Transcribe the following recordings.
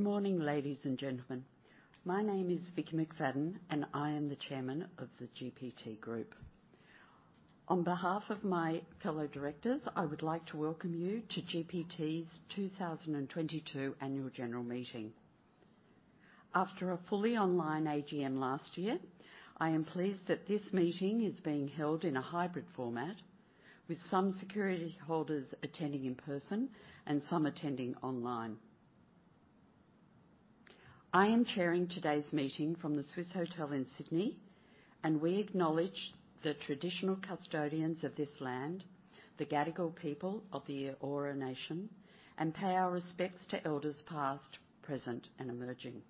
Good morning, ladies and gentlemen. My name is Vickki McFadden, and I am the Chairman of the GPT Group. On behalf of my fellow directors, I would like to welcome you to GPT's 2022 annual general meeting. After a fully online AGM last year, I am pleased that this meeting is being held in a hybrid format with some security holders attending in person and some attending online. I am chairing today's meeting from the Swissôtel Sydney in Sydney, and we acknowledge the traditional custodians of this land, the Gadigal people of the Eora Nation, and pay our respects to elders past, present, and emerging.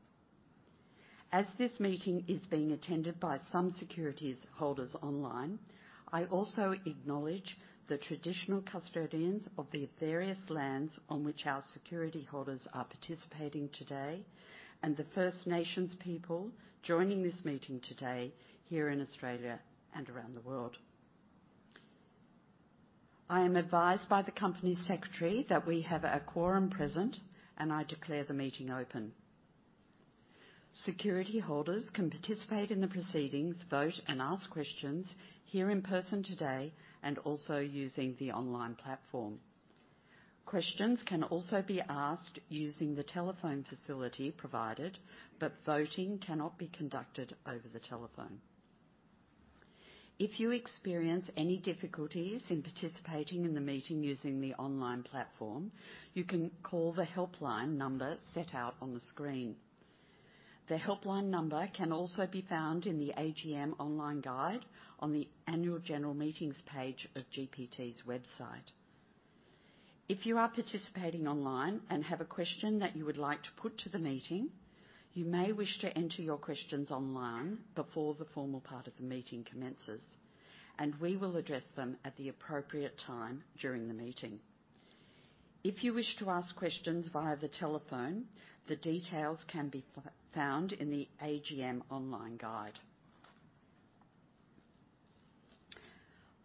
As this meeting is being attended by some securities holders online, I also acknowledge the traditional custodians of the various lands on which our security holders are participating today, and the First Nations people joining this meeting today here in Australia and around the world. I am advised by the company secretary that we have a quorum present, and I declare the meeting open. Security holders can participate in the proceedings, vote, and ask questions here in person today, and also using the online platform. Questions can also be asked using the telephone facility provided, but voting cannot be conducted over the telephone. If you experience any difficulties in participating in the meeting using the online platform, you can call the helpline number set out on the screen. The helpline number can also be found in the AGM online guide on the annual general meetings page of GPT's website. If you are participating online and have a question that you would like to put to the meeting, you may wish to enter your questions online before the formal part of the meeting commences, and we will address them at the appropriate time during the meeting. If you wish to ask questions via the telephone, the details can be found in the AGM online guide.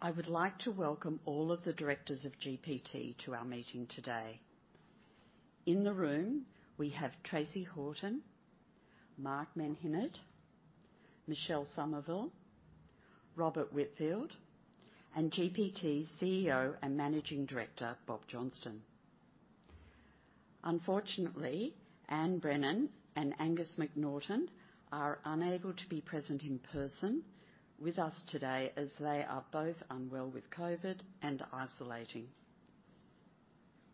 I would like to welcome all of the directors of GPT to our meeting today. In the room, we have Tracey Horton, Mark Menhinnitt, Michelle Somerville, Robert Whitfield, and GPT CEO and Managing Director, Bob Johnston. Unfortunately, Anne Brennan and Angus McNaughton are unable to be present in person with us today as they are both unwell with COVID and are isolating.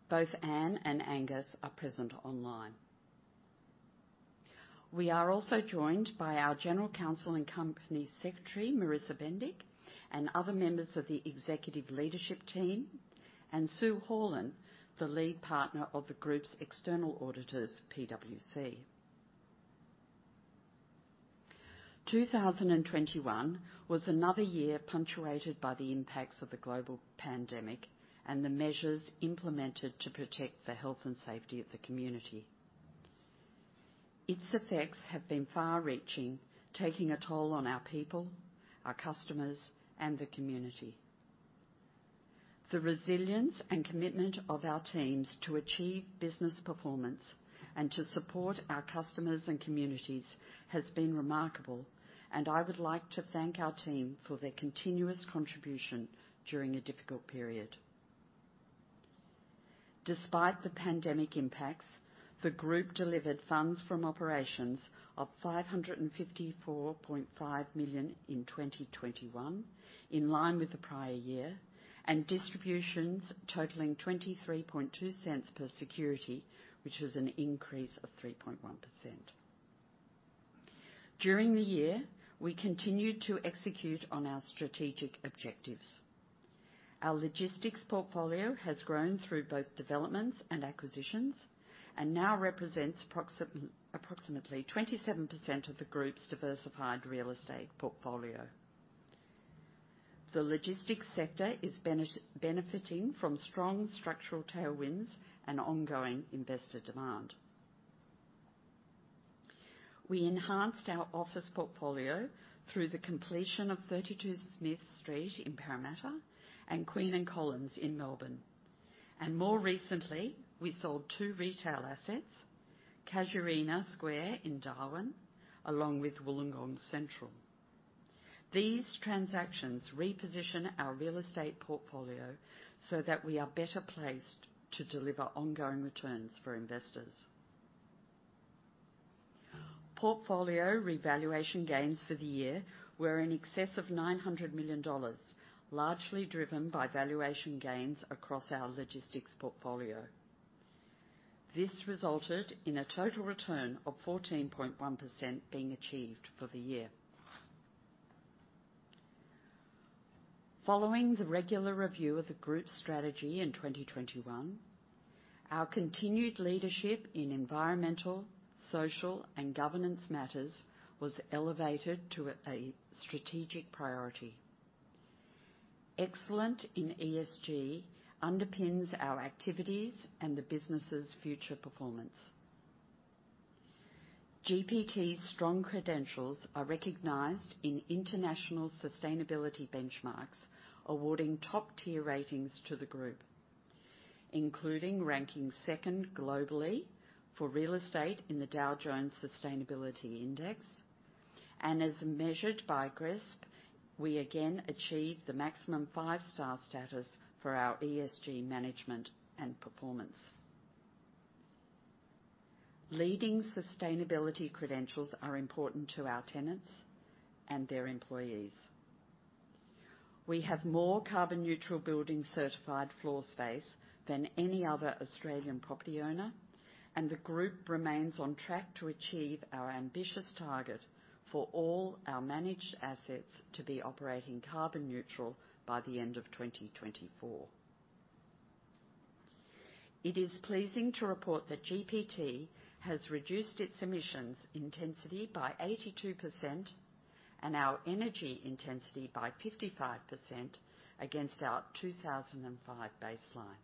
Both Anne and Angus are present online. We are also joined by our General Counsel and Company Secretary, Marissa Bendyk, and other members of the executive leadership team, and Sue Horlin, the Lead Partner of the group's external auditors, PwC. 2021 was another year punctuated by the impacts of the global pandemic and the measures implemented to protect the health and safety of the community. Its effects have been far-reaching, taking a toll on our people, our customers, and the community. The resilience and commitment of our teams to achieve business performance and to support our customers and communities has been remarkable, and I would like to thank our team for their continuous contribution during a difficult period. Despite the pandemic impacts, the group delivered funds from operations of 554.5 million in 2021, in line with the prior year, and distributions totaling 0.232 per security, which is an increase of 3.1%. During the year, we continued to execute on our strategic objectives. Our logistics portfolio has grown through both developments and acquisitions and now represents approximately 27% of the group's diversified real estate portfolio. The logistics sector is benefiting from strong structural tailwinds and ongoing investor demand. We enhanced our office portfolio through the completion of 32 Smith Street in Parramatta and Queen and Collins in Melbourne. More recently, we sold two retail assets, Casuarina Square in Darwin, along with Wollongong Central. These transactions reposition our real estate portfolio so that we are better placed to deliver ongoing returns for investors. Portfolio revaluation gains for the year were in excess of 900 million dollars, largely driven by valuation gains across our logistics portfolio. This resulted in a total return of 14.1% being achieved for the year. Following the regular review of the group's strategy in 2021, our continued leadership in environmental, social, and governance matters was elevated to a strategic priority. Excellence in ESG underpins our activities and the business's future performance. GPT's strong credentials are recognized in international sustainability benchmarks, awarding top tier ratings to the group, including ranking second globally for real estate in the Dow Jones Sustainability Indices. As measured by GRESB, we again achieved the maximum five-star status for our ESG management and performance. Leading sustainability credentials are important to our tenants and their employees. We have more carbon neutral building certified floor space than any other Australian property owner, and the group remains on track to achieve our ambitious target for all our managed assets to be operating carbon neutral by the end of 2024. It is pleasing to report that GPT has reduced its emissions intensity by 82% and our energy intensity by 55% against our 2005 baseline.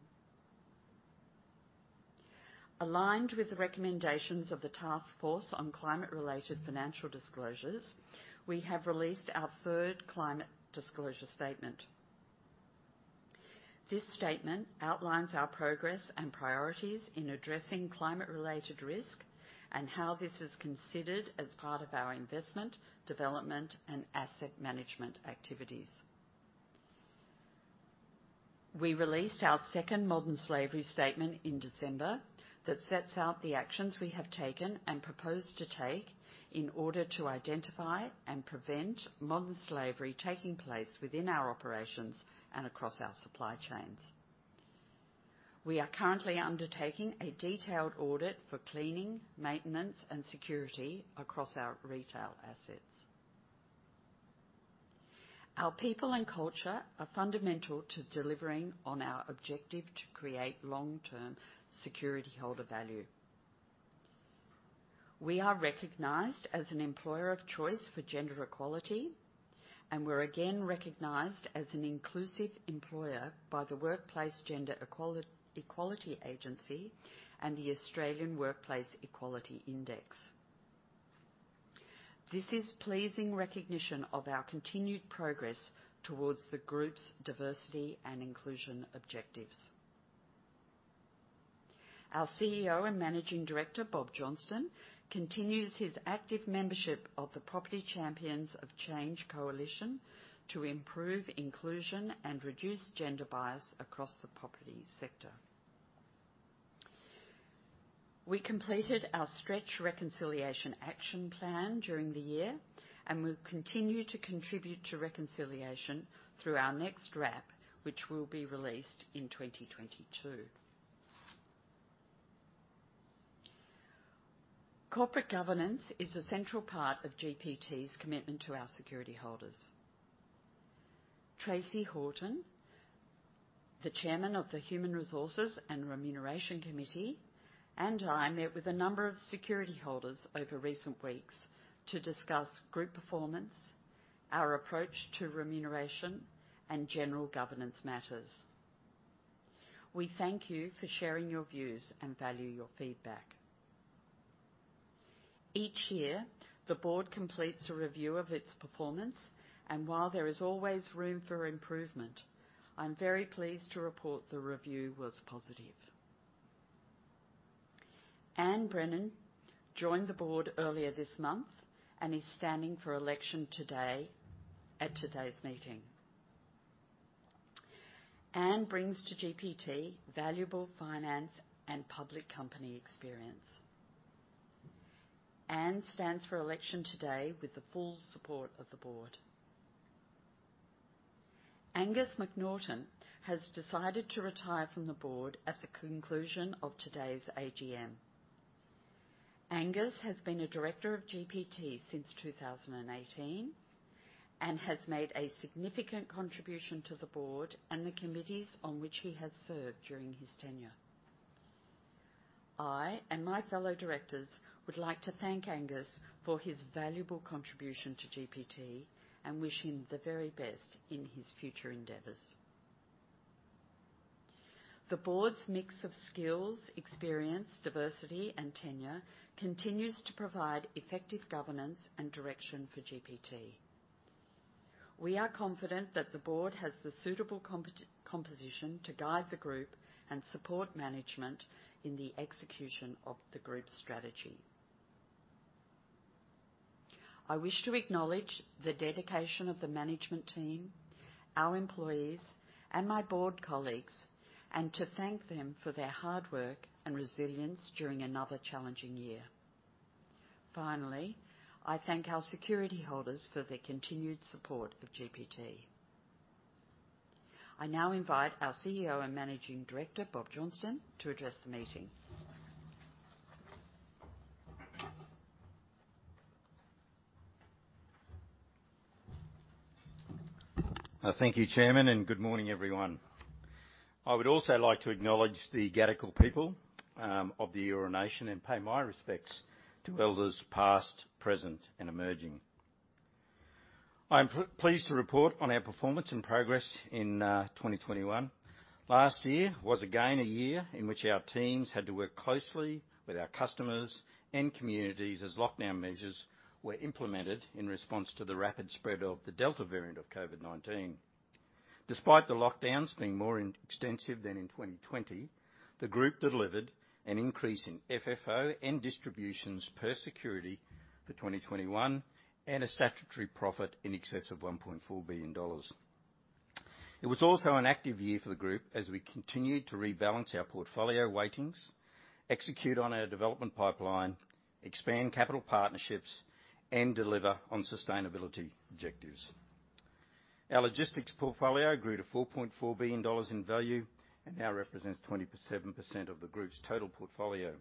Aligned with the recommendations of we have released our third climate disclosure statement. This statement outlines our progress and priorities in addressing climate related risk and how this is considered as part of our investment, development, and asset management activities. We released our second modern slavery statement in December that sets out the actions we have taken and propose to take in order to identify and prevent modern slavery taking place within our operations and across our supply chains. We are currently undertaking a detailed audit for cleaning, maintenance, and security across our retail assets. Our people and culture are fundamental to delivering on our objective to create long-term security holder value. We are recognized as an employer of choice for gender equality, and we're again recognized as an inclusive employer by the Workplace Gender Equality Agency and the Australian Workplace Equality Index. This is pleasing recognition of our continued progress towards the group's diversity and inclusion objectives. Our CEO and Managing Director, Bob Johnston, continues his active membership of the Property Champions of Change Coalition to improve inclusion and reduce gender bias across the property sector. We completed our stretch reconciliation action plan during the year, and we'll continue to contribute to reconciliation through our next RAP, which will be released in 2022. Corporate governance is a central part of GPT's commitment to our security holders. Tracey Horton, the Chairman of the Human Resources and Remuneration Committee, and I met with a number of security holders over recent weeks to discuss group performance, our approach to remuneration, and general governance matters. We thank you for sharing your views and value your feedback. Each year, the board completes a review of its performance, and while there is always room for improvement, I'm very pleased to report the review was positive. Anne Brennan joined the board earlier this month and is standing for election today at today's meeting. Anne brings to GPT valuable finance and public company experience. Anne stands for election today with the full support of the board. Angus McNaughton has decided to retire from the board at the conclusion of today's AGM. Angus has been a director of GPT since 2018, and has made a significant contribution to the board and the committees on which he has served during his tenure. I and my fellow directors would like to thank Angus for his valuable contribution to GPT and wish him the very best in his future endeavors. The board's mix of skills, experience, diversity, and tenure continues to provide effective governance and direction for GPT. We are confident that the board has the suitable composition to guide the group and support management in the execution of the group's strategy. I wish to acknowledge the dedication of the management team, our employees, and my board colleagues, and to thank them for their hard work and resilience during another challenging year. Finally, I thank our security holders for their continued support of GPT. I now invite our CEO and Managing Director, Bob Johnston, to address the meeting. Thank you, Chairman, and good morning, everyone. I would also like to acknowledge the Gadigal people of the Eora Nation and pay my respects to elders past, present, and emerging. I am pleased to report on our performance and progress in 2021. Last year was again a year in which our teams had to work closely with our customers and communities as lockdown measures were implemented in response to the rapid spread of the Delta variant of COVID-19. Despite the lockdowns being more extensive than in 2020, the group delivered an increase in FFO and distributions per security for 2021, and a statutory profit in excess of 1.4 billion dollars. It was also an active year for the group as we continued to rebalance our portfolio weightings, execute on our development pipeline, expand capital partnerships, and deliver on sustainability objectives. Our logistics portfolio grew to 4.4 billion dollars in value and now represents 20.7% of the group's total portfolio.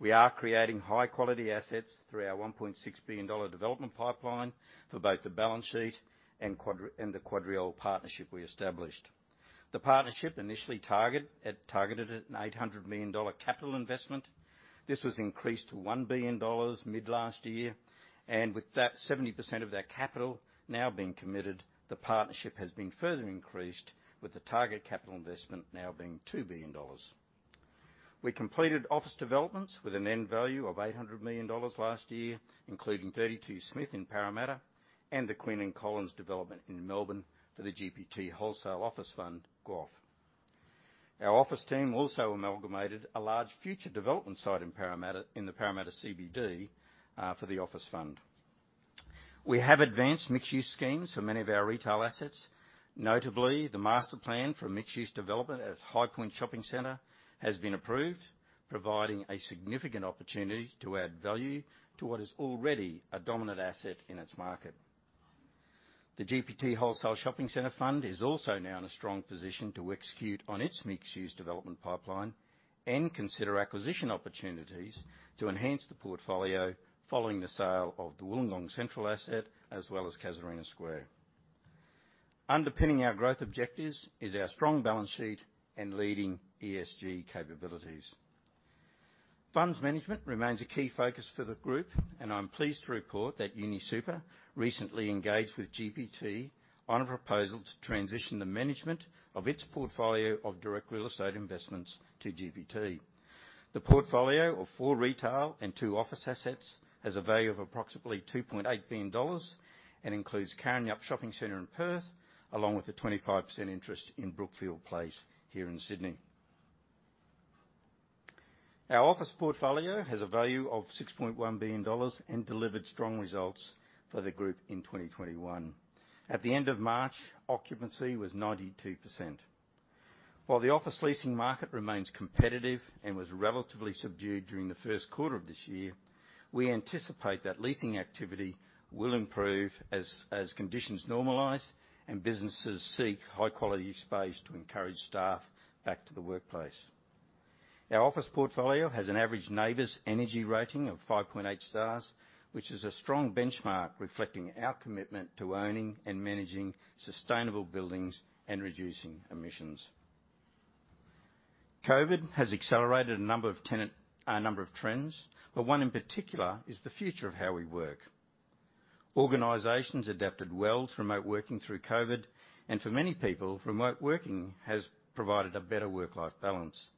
We are creating high-quality assets through our 1.6 billion dollar development pipeline for both the balance sheet and QuadReal, and the QuadReal partnership we established. The partnership initially targeted at an 800 million dollar capital investment. This was increased to 1 billion dollars mid last year. With that, 70% of that capital now being committed, the partnership has been further increased with the target capital investment now being 2 billion dollars. We completed office developments with an end value of 800 million dollars last year, including 32 Smith in Parramatta and the Queen and Collins development in Melbourne for the GPT Wholesale Office Fund, GWOF. Our office team also amalgamated a large future development site in Parramatta, in the Parramatta CBD, for the office fund. We have advanced mixed-use schemes for many of our retail assets. Notably, the master plan for mixed-use development at Highpoint Shopping Centre has been approved, providing a significant opportunity to add value to what is already a dominant asset in its market. The GPT Wholesale Shopping Centre Fund is also now in a strong position to execute on its mixed-use development pipeline and consider acquisition opportunities to enhance the portfolio following the sale of the Wollongong Central asset, as well as Casuarina Square. Underpinning our growth objectives is our strong balance sheet and leading ESG capabilities. Funds management remains a key focus for the group, and I'm pleased to report that UniSuper recently engaged with GPT on a proposal to transition the management of its portfolio of direct real estate investments to GPT. The portfolio of four retail and two office assets has a value of approximately 2.8 billion dollars and includes Karrinyup Shopping Centre in Perth, along with a 25% interest in Brookfield Place here in Sydney. Our office portfolio has a value of 6.1 billion dollars and delivered strong results for the group in 2021. At the end of March, occupancy was 92%. While the office leasing market remains competitive and was relatively subdued during the first quarter of this year, we anticipate that leasing activity will improve as conditions normalize and businesses seek high-quality space to encourage staff back to the workplace. Our office portfolio has an average NABERS energy rating of 5.8 stars, which is a strong benchmark reflecting our commitment to owning and managing sustainable buildings and reducing emissions. COVID has accelerated a number of trends, but one in particular is the future of how we work. Organizations adapted well to remote working through COVID, and for many people, remote working has provided a better work-life balance.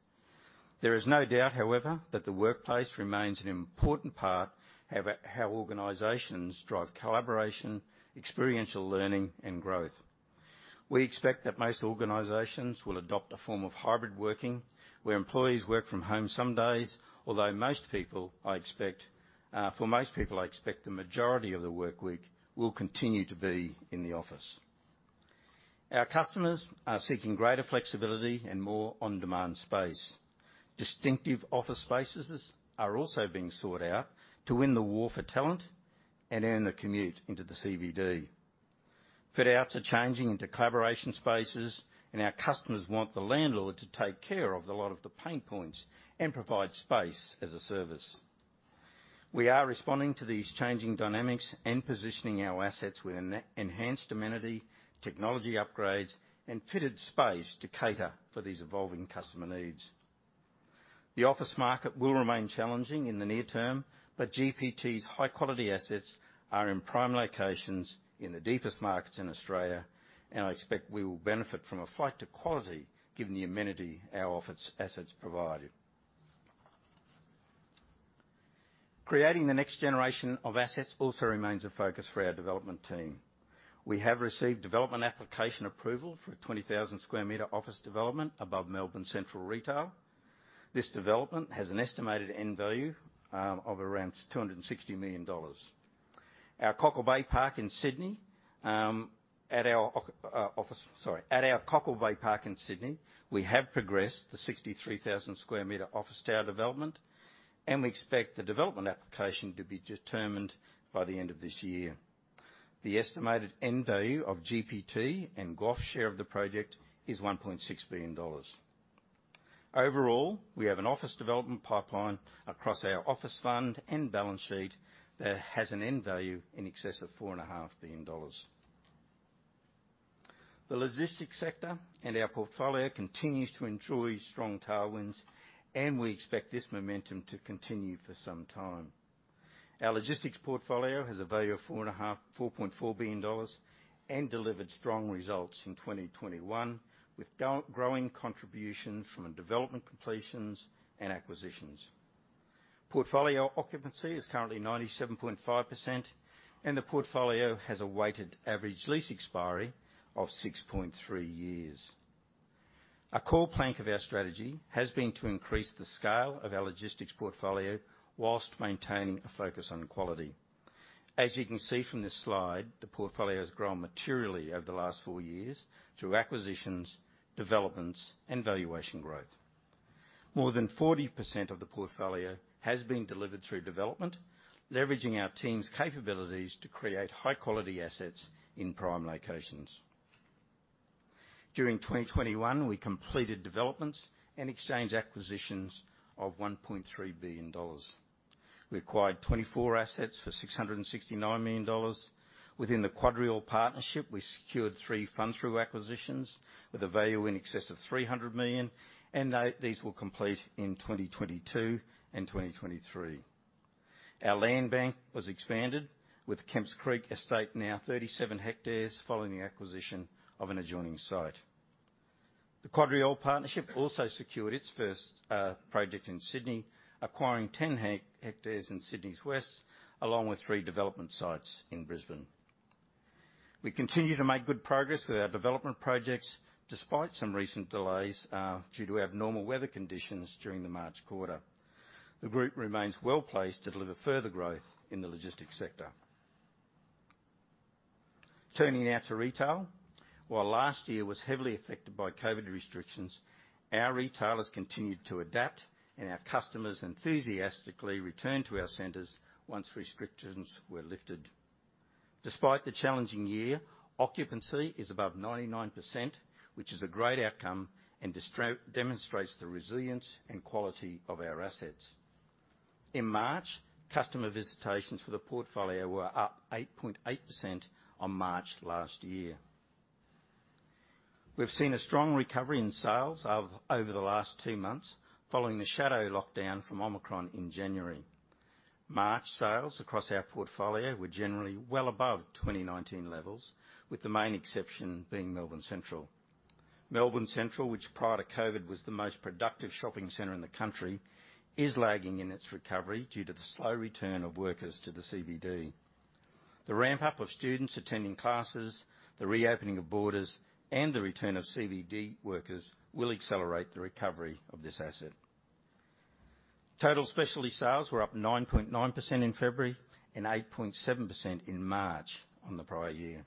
There is no doubt, however, that the workplace remains an important part of how organizations drive collaboration, experiential learning, and growth. We expect that most organizations will adopt a form of hybrid working, where employees work from home some days, although most people, I expect, the majority of the work week will continue to be in the office. Our customers are seeking greater flexibility and more on-demand space. Distinctive office spaces are also being sought out to win the war for talent and earn the commute into the CBD. Fit outs are changing into collaboration spaces, and our customers want the landlord to take care of a lot of the pain points and provide space as a service. We are responding to these changing dynamics and positioning our assets with an enhanced amenity, technology upgrades, and fitted space to cater for these evolving customer needs. The office market will remain challenging in the near term, but GPT's high-quality assets are in prime locations in the deepest markets in Australia, and I expect we will benefit from a flight to quality given the amenity our office assets provided. Creating the next generation of assets also remains a focus for our development team. We have received development application approval for a 20,000 square meter office development above Melbourne Central Retail. This development has an estimated end value of around 260 million dollars. At our Cockle Bay Park in Sydney, we have progressed the 63,000 square meter office tower development, and we expect the development application to be determined by the end of this year. The estimated end value of GPT and GWOF's share of the project is 1.6 billion dollars. Overall, we have an office development pipeline across our office fund and balance sheet that has an end value in excess of 4.5 billion dollars. The logistics sector and our portfolio continues to enjoy strong tailwinds, and we expect this momentum to continue for some time. Our logistics portfolio has a value of 4.4 billion dollars and delivered strong results in 2021, with growing contributions from the development completions and acquisitions. Portfolio occupancy is currently 97.5%, and the portfolio has a weighted average lease expiry of 6.3 years. A core plank of our strategy has been to increase the scale of our logistics portfolio while maintaining a focus on quality. As you can see from this slide, the portfolio has grown materially over the last four years through acquisitions, developments, and valuation growth. More than 40% of the portfolio has been delivered through development, leveraging our team's capabilities to create high-quality assets in prime locations. During 2021, we completed developments and exchange acquisitions of 1.3 billion dollars. We acquired 24 assets for 669 million dollars. Within the QuadReal partnership, we secured three fund-through acquisitions with a value in excess of 300 million, and these will complete in 2022 and 2023. Our land bank was expanded with Kemps Creek Estate now 37 hectares following the acquisition of an adjoining site. The QuadReal partnership also secured its first project in Sydney, acquiring 10 hectares in Sydney's west, along with three development sites in Brisbane. We continue to make good progress with our development projects, despite some recent delays due to abnormal weather conditions during the March quarter. The group remains well-placed to deliver further growth in the logistics sector. Turning now to retail. While last year was heavily affected by COVID restrictions, our retailers continued to adapt, and our customers enthusiastically returned to our centers once restrictions were lifted. Despite the challenging year, occupancy is above 99%, which is a great outcome and demonstrates the resilience and quality of our assets. In March, customer visitations for the portfolio were up 8.8% on March last year. We've seen a strong recovery in sales over the last two months, following the shadow lockdown from Omicron in January. March sales across our portfolio were generally well above 2019 levels, with the main exception being Melbourne Central. Melbourne Central, which prior to COVID was the most productive shopping center in the country, is lagging in its recovery due to the slow return of workers to the CBD. The ramp-up of students attending classes, the reopening of borders, and the return of CBD workers will accelerate the recovery of this asset. Total specialty sales were up 9.9% in February and 8.7% in March on the prior year.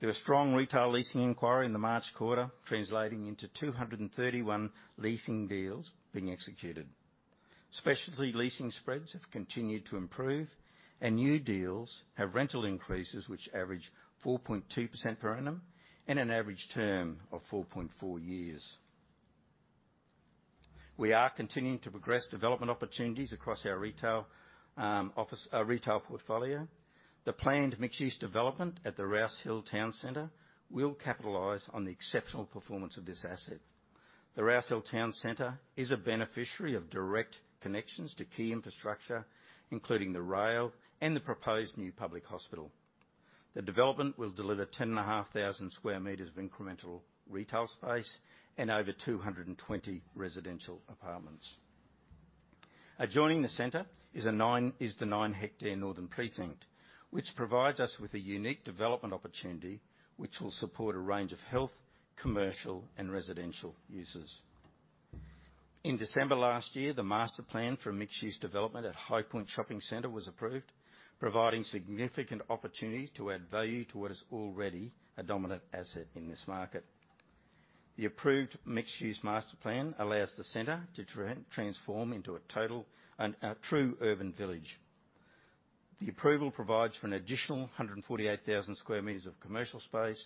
There was strong retail leasing inquiry in the March quarter, translating into 231 leasing deals being executed. Specialty leasing spreads have continued to improve, and new deals have rental increases which average 4.2% per annum and an average term of 4.4 years. We are continuing to progress development opportunities across our retail, office, retail portfolio. The planned mixed-use development at the Rouse Hill Town Centre will capitalize on the exceptional performance of this asset. The Rouse Hill Town Centre is a beneficiary of direct connections to key infrastructure, including the rail and the proposed new public hospital. The development will deliver 10,500 square meters of incremental retail space and over 220 residential apartments. Adjoining the center is the nine-hectare northern precinct, which provides us with a unique development opportunity, which will support a range of health, commercial, and residential uses. In December last year, the master plan for mixed-use development at Highpoint Shopping Center was approved, providing significant opportunity to add value to what is already a dominant asset in this market. The approved mixed-use master plan allows the center to transform into a true urban village. The approval provides for an additional 148,000 square meters of commercial space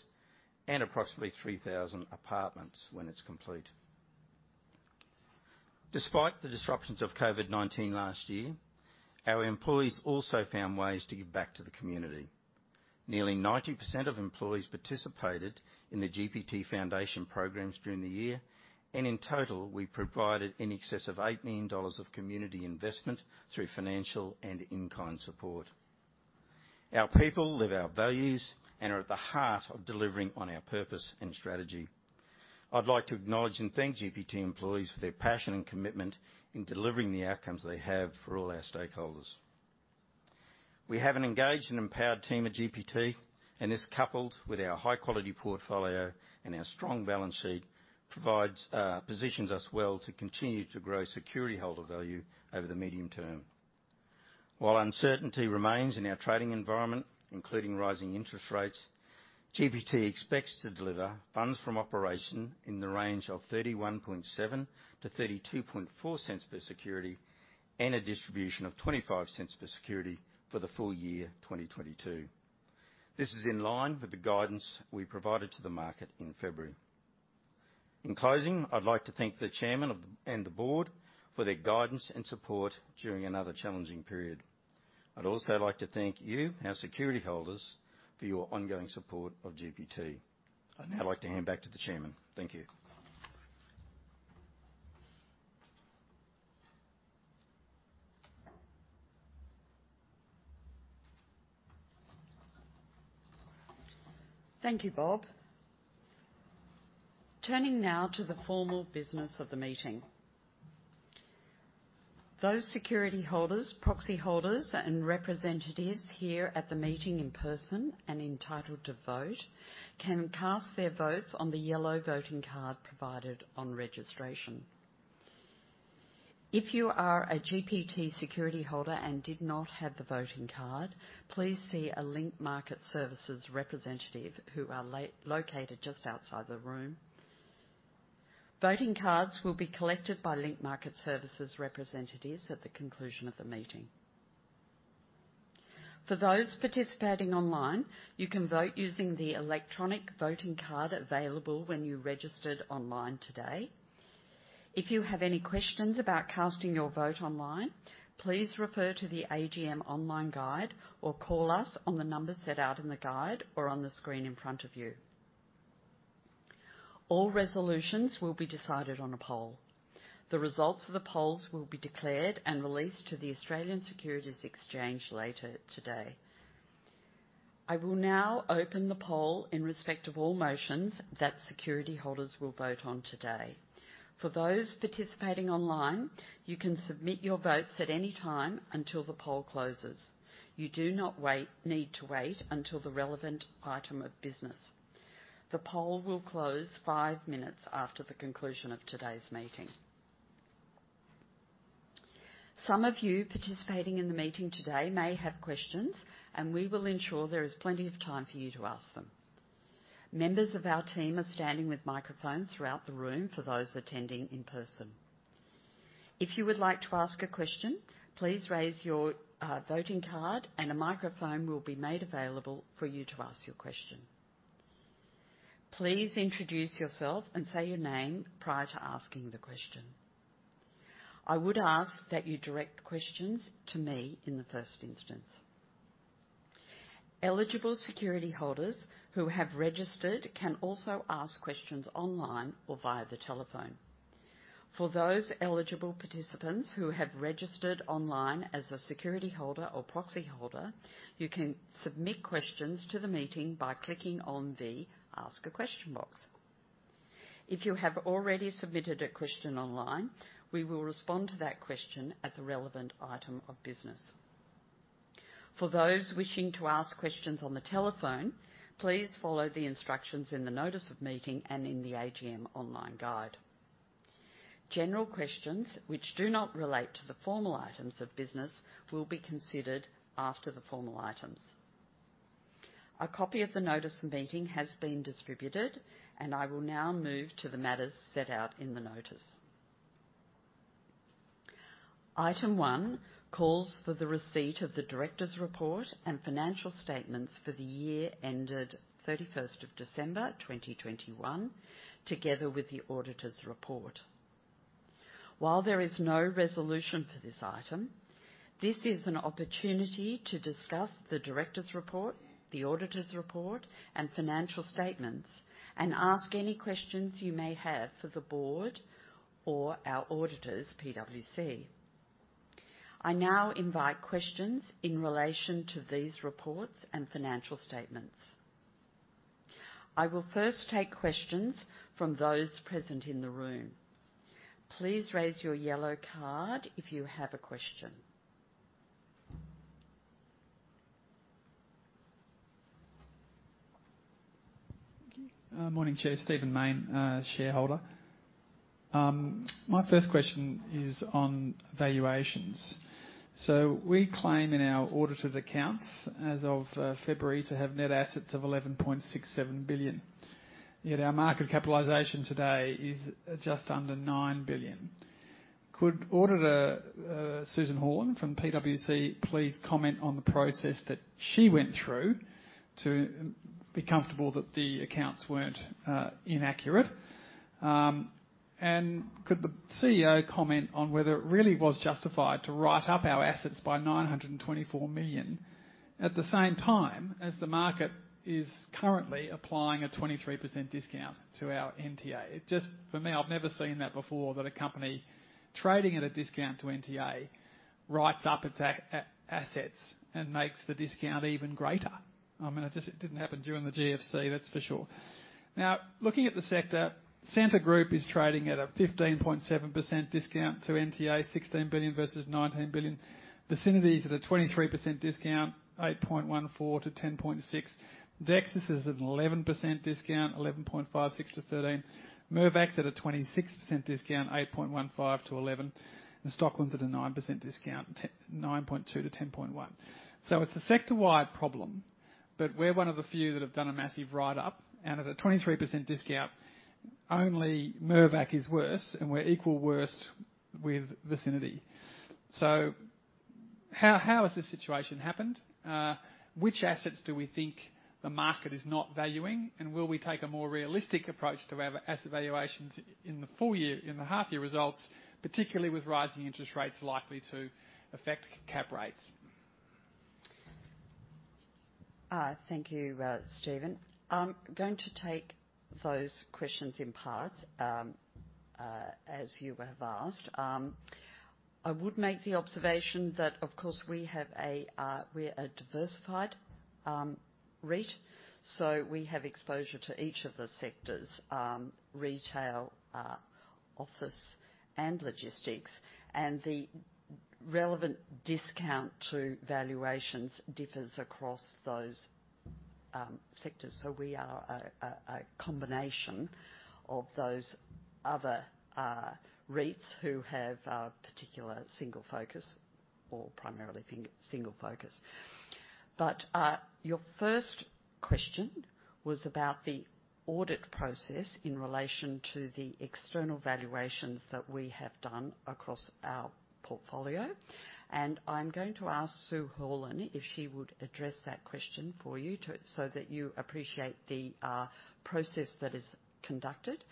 and approximately 3,000 apartments when it's complete. Despite the disruptions of COVID-19 last year, our employees also found ways to give back to the community. Nearly 90% of employees participated in the GPT Foundation programs during the year, and in total, we provided in excess of 8 million dollars of community investment through financial and in-kind support. Our people live our values and are at the heart of delivering on our purpose and strategy. I'd like to acknowledge and thank GPT employees for their passion and commitment in delivering the outcomes they have for all our stakeholders. We have an engaged and empowered team at GPT, and this, coupled with our high-quality portfolio and our strong balance sheet, provides positions us well to continue to grow security holder value over the medium term. While uncertainty remains in our trading environment, including rising interest rates, GPT expects to deliver funds from operations in the range of 0.317-0.324 per security and a distribution of 0.25 per security for the full year 2022. This is in line with the guidance we provided to the market in February. In closing, I'd like to thank the Chairman and the board for their guidance and support during another challenging period. I'd also like to thank you, our security holders, for your ongoing support of GPT. I'd now like to hand back to the Chairman. Thank you. Thank you, Bob. Turning now to the formal business of the meeting. Those security holders, proxy holders, and representatives here at the meeting in person and entitled to vote can cast their votes on the yellow voting card provided on registration. If you are a GPT security holder and did not have the voting card, please see a Link Market Services representative who are located just outside the room. Voting cards will be collected by Link Market Services representatives at the conclusion of the meeting. For those participating online, you can vote using the electronic voting card available when you registered online today. If you have any questions about casting your vote online, please refer to the AGM Online Guide or call us on the number set out in the guide or on the screen in front of you. All resolutions will be decided on a poll. The results of the polls will be declared and released to the Australian Securities Exchange later today. I will now open the poll in respect of all motions that security holders will vote on today. For those participating online, you can submit your votes at any time until the poll closes. You do not need to wait until the relevant item of business. The poll will close five minutes after the conclusion of today's meeting. Some of you participating in the meeting today may have questions, and we will ensure there is plenty of time for you to ask them. Members of our team are standing with microphones throughout the room for those attending in person. If you would like to ask a question, please raise your voting card and a microphone will be made available for you to ask your question. Please introduce yourself and say your name prior to asking the question. I would ask that you direct questions to me in the first instance. Eligible security holders who have registered can also ask questions online or via the telephone. For those eligible participants who have registered online as a security holder or proxy holder, you can submit questions to the meeting by clicking on the Ask a Question box. If you have already submitted a question online, we will respond to that question at the relevant item of business. For those wishing to ask questions on the telephone, please follow the instructions in the notice of meeting and in the AGM Online Guide. General questions which do not relate to the formal items of business will be considered after the formal items. A copy of the notice of meeting has been distributed, and I will now move to the matters set out in the notice. Item one calls for the receipt of the directors' report and financial statements for the year ended December 31, 2021, together with the auditor's report. While there is no resolution for this item, this is an opportunity to discuss the directors' report, the auditor's report, and financial statements and ask any questions you may have for the board or our auditors, PwC. I now invite questions in relation to these reports and financial statements. I will first take questions from those present in the room. Please raise your yellow card if you have a question. Thank you. Morning, Chair. Stephen Mayne, shareholder. My first question is on valuations. We claim in our audited accounts as of February to have net assets of 11.67 billion, yet our market capitalization today is just under 9 billion. Could auditor Sue Horlin from PwC please comment on the process that she went through to be comfortable that the accounts weren't inaccurate? Could the CEO comment on whether it really was justified to write up our assets by 924 million at the same time as the market is currently applying a 23% discount to our NTA? It just for me, I've never seen that before, that a company trading at a discount to NTA writes up its assets and makes the discount even greater. I mean, it just, it didn't happen during the GFC, that's for sure. Now, looking at the sector, Scentre Group is trading at a 15.7% discount to NTA, 16 billion vs. 19 billion. Vicinity's at a 23% discount, 8.14 billion-10.6 billion. Dexus is at an 11% discount, 11.56 billion-13 billion. Mirvac's at a 26% discount, 8.15 billion-11 billion. Stockland's at a 9% discount, 9.2 billion-10.1 billion. It's a sector-wide problem, but we're one of the few that have done a massive write-up. At a 23% discount, only Mirvac is worse, and we're equal worst with Vicinity. How has this situation happened? Which assets do we think the market is not valuing? Will we take a more realistic approach to our asset valuations in the full year, in the half year results, particularly with rising interest rates likely to affect cap rates? Thank you, Stephen. I'm going to take those questions in part, as you have asked. I would make the observation that, of course, we're a diversified REIT, so we have exposure to each of the sectors, retail, office, and logistics. The relevant discount to valuations differs across those sectors. We are a combination of those other REITs who have a particular single focus or primarily single focus. Your first question was about the audit process in relation to the external valuations that we have done across our portfolio, and I'm going to ask Sue Horlin if she would address that question for you so that you appreciate the process that is conducted.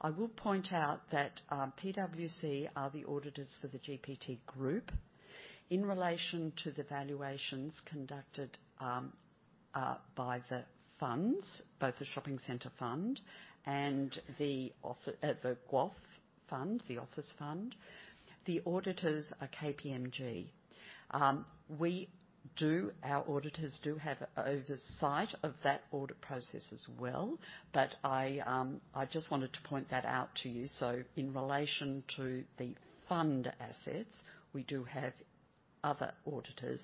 I will point out that PwC are the auditors for the GPT Group. In relation to the valuations conducted by the funds, both the Shopping Center Fund and the GWOF Fund, the Office Fund, the auditors are KPMG. Our auditors do have oversight of that audit process as well, but I just wanted to point that out to you. In relation to the fund assets, we do have other auditors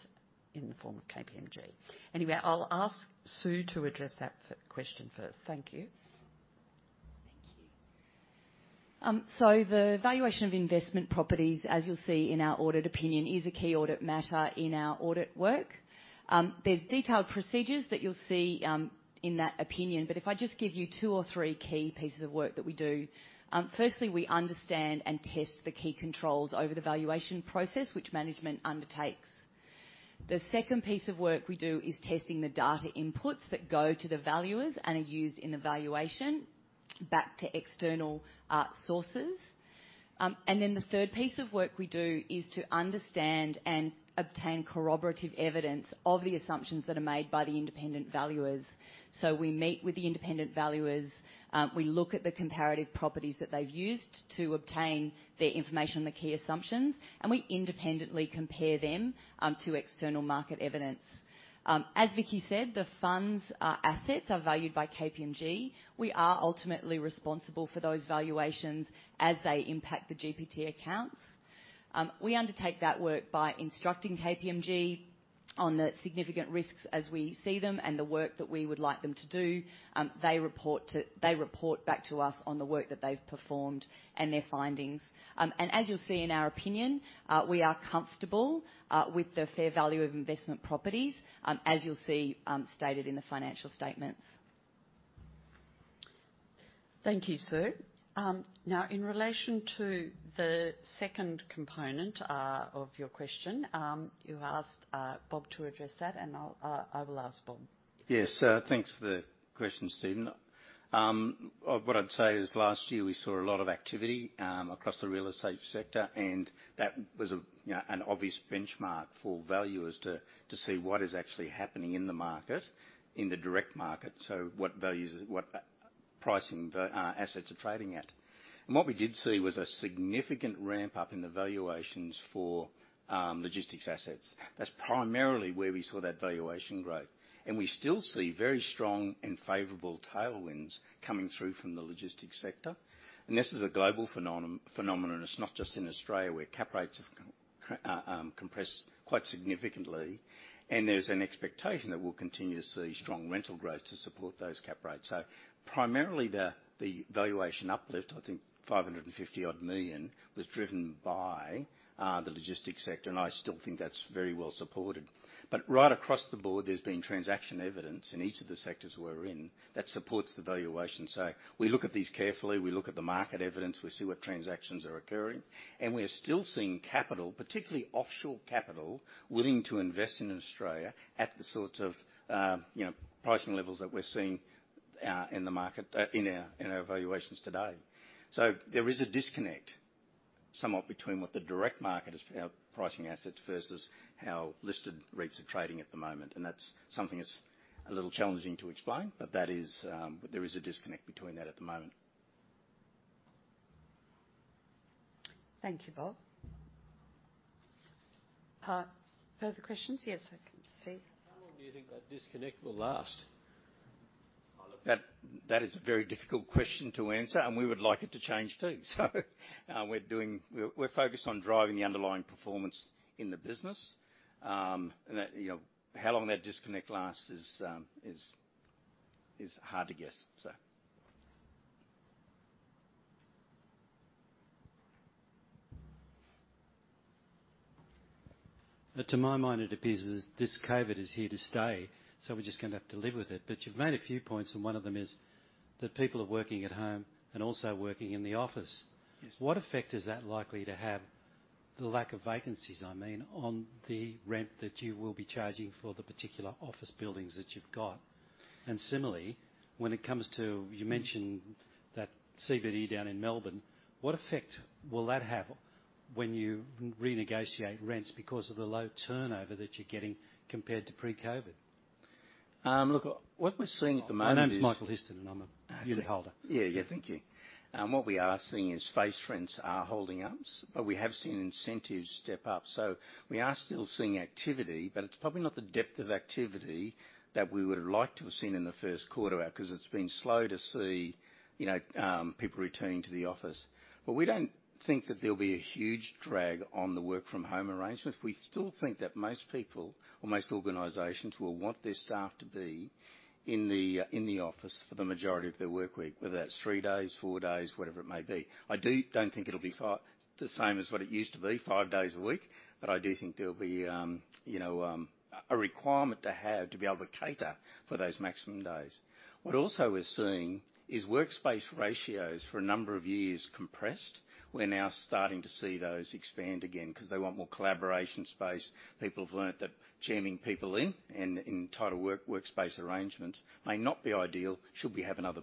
in the form of KPMG. Anyway, I'll ask Sue to address that question first. Thank you. Thank you. The valuation of investment properties, as you'll see in our audit opinion, is a key audit matter in our audit work. There's detailed procedures that you'll see in that opinion, if I just give you two or three key pieces of work that we do. Firstly, we understand and test the key controls over the valuation process, which management undertakes. The second piece of work we do is testing the data inputs that go to the valuers and are used in the valuation back to external sources. The third piece of work we do is to understand and obtain corroborative evidence of the assumptions that are made by the independent valuers. We meet with the independent valuers, we look at the comparative properties that they've used to obtain their information on the key assumptions, and we independently compare them to external market evidence. As Viccki said, the fund's assets are valued by KPMG. We are ultimately responsible for those valuations as they impact the GPT accounts. We undertake that work by instructing KPMG on the significant risks as we see them and the work that we would like them to do. They report back to us on the work that they've performed and their findings. As you'll see in our opinion, we are comfortable with the fair value of investment properties, as you'll see, stated in the financial statements. Thank you, Sue. Now in relation to the second component of your question, you asked Bob to address that, and I will ask Bob. Yes. Thanks for the question, Stephen. What I'd say is last year, we saw a lot of activity across the real estate sector, and that was, you know, an obvious benchmark for valuers to see what is actually happening in the market, in the direct market. What pricing the assets are trading at. What we did see was a significant ramp up in the valuations for logistics assets. That's primarily where we saw that valuation growth. We still see very strong and favorable tailwinds coming through from the logistics sector. This is a global phenomenon, it's not just in Australia, where cap rates have compressed quite significantly. There's an expectation that we'll continue to see strong rental growth to support those cap rates. Primarily the valuation uplift, I think 550-odd million, was driven by the logistics sector, and I still think that's very well supported. Right across the board, there's been transaction evidence in each of the sectors we're in that supports the valuation. We look at these carefully, we look at the market evidence, we see what transactions are occurring, and we are still seeing capital, particularly offshore capital, willing to invest in Australia at the sorts of, you know, pricing levels that we're seeing in the market in our valuations today. There is a disconnect somewhat between what the direct market is pricing assets versus how listed REITs are trading at the moment. That's something that's a little challenging to explain, but there is a disconnect between that at the moment. Thank you, Bob. Further questions? Yes, I can see. How long do you think that disconnect will last? That is a very difficult question to answer, and we would like it to change, too. We're focused on driving the underlying performance in the business. You know, how long that disconnect lasts is hard to guess. To my mind, it appears as this COVID is here to stay, so we're just gonna have to live with it. You've made a few points, and one of them is that people are working at home and also working in the office. Yes. What effect is that likely to have, the lack of vacancies I mean, on the rent that you will be charging for the particular office buildings that you've got? Similarly, when it comes to, you mentioned that CBD down in Melbourne, what effect will that have when you renegotiate rents because of the low turnover that you're getting compared to pre-COVID? Look, what we're seeing at the moment is. My name's Michael Hurst, and I'm a shareholder. Yeah. Yeah. Thank you. What we are seeing is face rents are holding up, but we have seen incentives step up. We are still seeing activity, but it's probably not the depth of activity that we would have liked to have seen in the first quarter, 'cause it's been slow to see, you know, people returning to the office. We don't think that there'll be a huge drag on the work from home arrangements. We still think that most people or most organizations will want their staff to be in the office for the majority of their work week, whether that's three days, four days, whatever it may be. I don't think it'll be the same as what it used to be, five days a week. I do think there'll be a requirement to have to be able to cater for those maximum days. We're also seeing workspace ratios for a number of years compressed. We're now starting to see those expand again 'cause they want more collaboration space. People have learned that jamming people in tighter workspace arrangements may not be ideal should we have another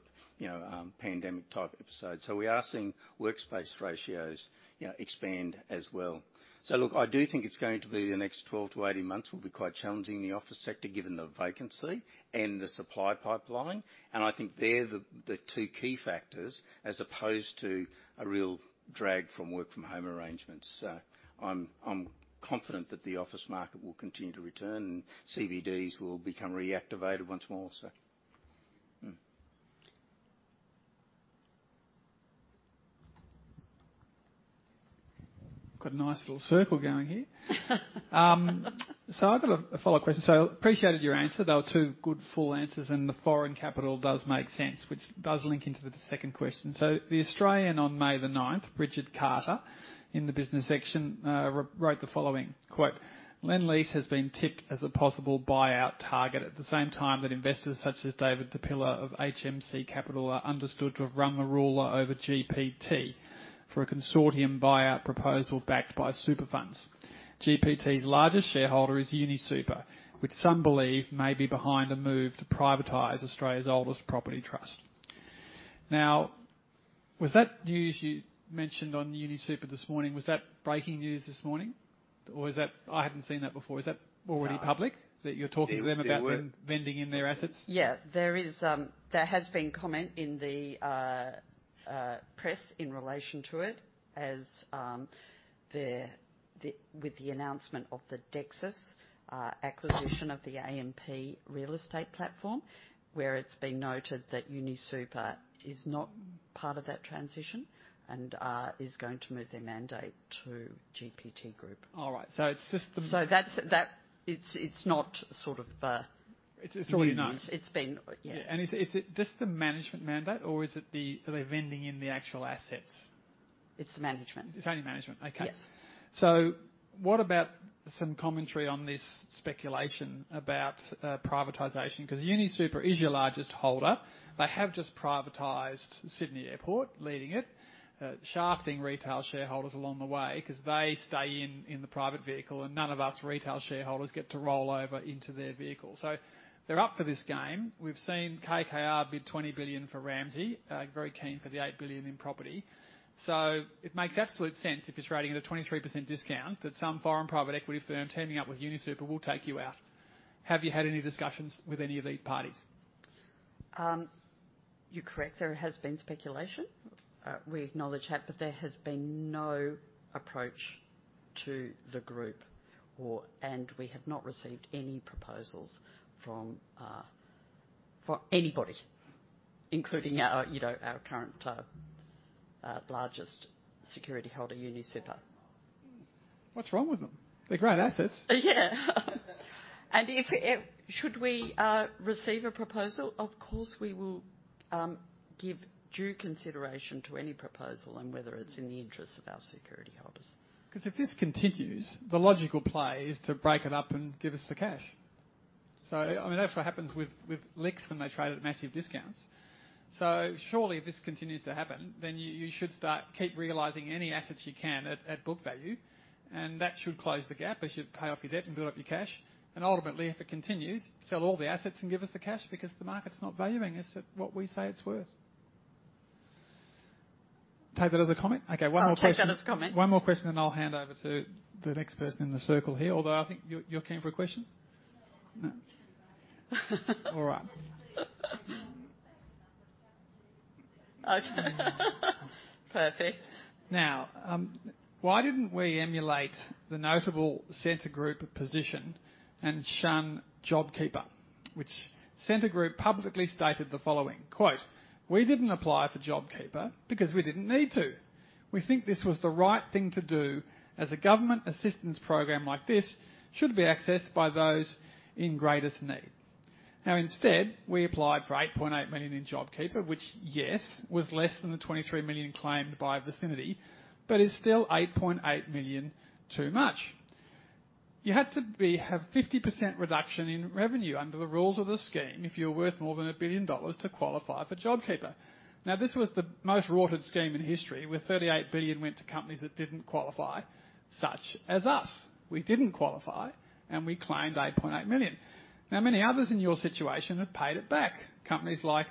pandemic-type episode. We are seeing workspace ratios expand as well. Look, I do think it's going to be the next 12-18 months will be quite challenging in the office sector, given the vacancy and the supply pipeline. I think they're the two key factors as opposed to a real drag from work from home arrangements. I'm confident that the office market will continue to return and CBDs will become reactivated once more. Got a nice little circle going here. I've got a follow-up question. Appreciated your answer. They were two good, full answers. The foreign capital does make sense, which does link into the second question. The Australian on May the ninth, Richard Carter in the business section, wrote the following: "Lendlease has been tipped as the possible buyout target at the same time that investors such as David Di Pilla of HMC Capital are understood to have run the ruler over GPT for a consortium buyout proposal backed by super funds. GPT's largest shareholder is UniSuper, which some believe may be behind a move to privatize Australia's oldest property trust." Now, was that news you mentioned on UniSuper this morning? Was that breaking news this morning or is that? I hadn't seen that before. Is that already public that you're talking to them about them vending in their assets? Yeah. There has been comment in the press in relation to it as with the announcement of the Dexus acquisition of the AMP real estate platform, where it's been noted that UniSuper is not part of that transition and is going to move their mandate to GPT Group. All right. It's just the. That's that. It's not sort of It's already known. news. It's been. Is it just the management mandate or are they vending in the actual assets? It's the management. It's only management. Okay. Yes. What about some commentary on this speculation about privatization? 'Cause UniSuper is your largest holder. They have just privatized Sydney Airport, leading it, shafting retail shareholders along the way 'cause they stay in the private vehicle and none of us retail shareholders get to roll over into their vehicle. They're up for this game. We've seen KKR bid 20 billion for Ramsay, very keen for the 8 billion in property. It makes absolute sense if it's trading at a 23% discount that some foreign private equity firm teaming up with UniSuper will take you out. Have you had any discussions with any of these parties? You're correct. There has been speculation. We acknowledge that, but there has been no approach to the group and we have not received any proposals from anybody, including our, you know, our current largest security holder, UniSuper. What's wrong with them? They're great assets. Yeah. Should we receive a proposal, of course, we will give due consideration to any proposal and whether it's in the interests of our security holders. 'Cause if this continues, the logical play is to break it up and give us the cash. I mean, that's what happens with LICs when they trade at massive discounts. Surely if this continues to happen, then you should start keep realizing any assets you can at book value, and that should close the gap. It should pay off your debt and build up your cash. Ultimately, if it continues, sell all the assets and give us the cash because the market's not valuing us at what we say it's worth. Take that as a comment? Okay, one more question. I'll take that as a comment. One more question, then I'll hand over to the next person in the circle here, although I think you—you're keen for a question. No? All right. Okay. Perfect. Now, why didn't we emulate the notable Scentre Group position and shun JobKeeper? Which Scentre Group publicly stated the following: quote, "We didn't apply for JobKeeper because we didn't need to. We think this was the right thing to do as a government assistance program like this should be accessed by those in greatest need." Now, instead, we applied for 8.8 million in JobKeeper, which, yes, was less than the 23 million claimed by Vicinity, but is still 8.8 million too much. You had to have 50% reduction in revenue under the rules of the scheme if you're worth more than 1 billion dollars to qualify for JobKeeper. Now, this was the most rorted scheme in history, where AUD 38 billion went to companies that didn't qualify, such as us. We didn't qualify, and we claimed 8.8 million. Many others in your situation have paid it back, companies like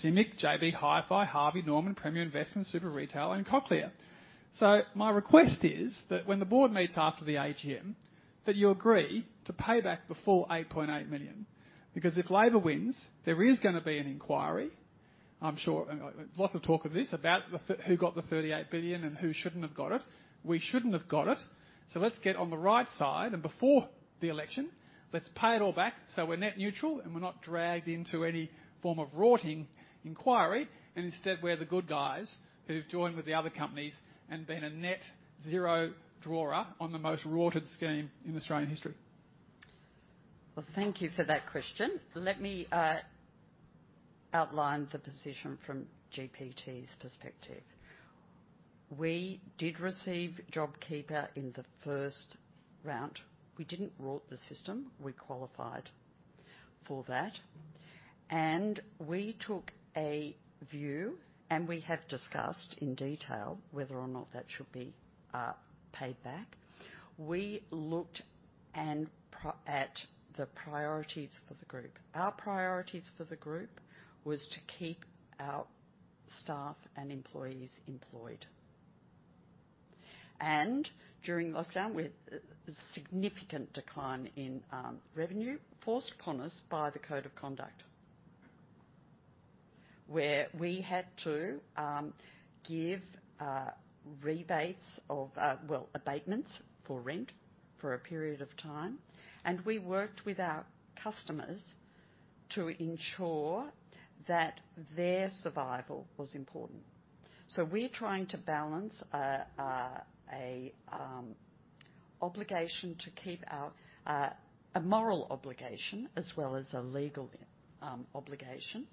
CIMIC, JB Hi-Fi, Harvey Norman, Premier Investments, Super Retail Group, and Cochlear. My request is that when the board meets after the AGM, that you agree to pay back the full 8.8 million, because if Labor wins, there is gonna be an inquiry. I'm sure. Lots of talk of this, about the who got the 38 billion and who shouldn't have got it. We shouldn't have got it. Let's get on the right side, and before the election, let's pay it all back, so we're net neutral, and we're not dragged into any form of rorting inquiry. Instead, we're the good guys who've joined with the other companies and been a net zero drawer on the most rorted scheme in Australian history. Well, thank you for that question. Let me outline the position from GPT's perspective. We did receive JobKeeper in the first round. We didn't rort the system. We qualified for that. We took a view, and we have discussed in detail whether or not that should be paid back. We looked at the priorities for the group. Our priorities for the group was to keep our staff and employees employed. During lockdown, with a significant decline in revenue forced upon us by the code of conduct, where we had to give rebates of well, abatements for rent for a period of time. We worked with our customers to ensure that their survival was important. We're trying to balance a obligation to keep our a moral obligation as well as a legal obligation.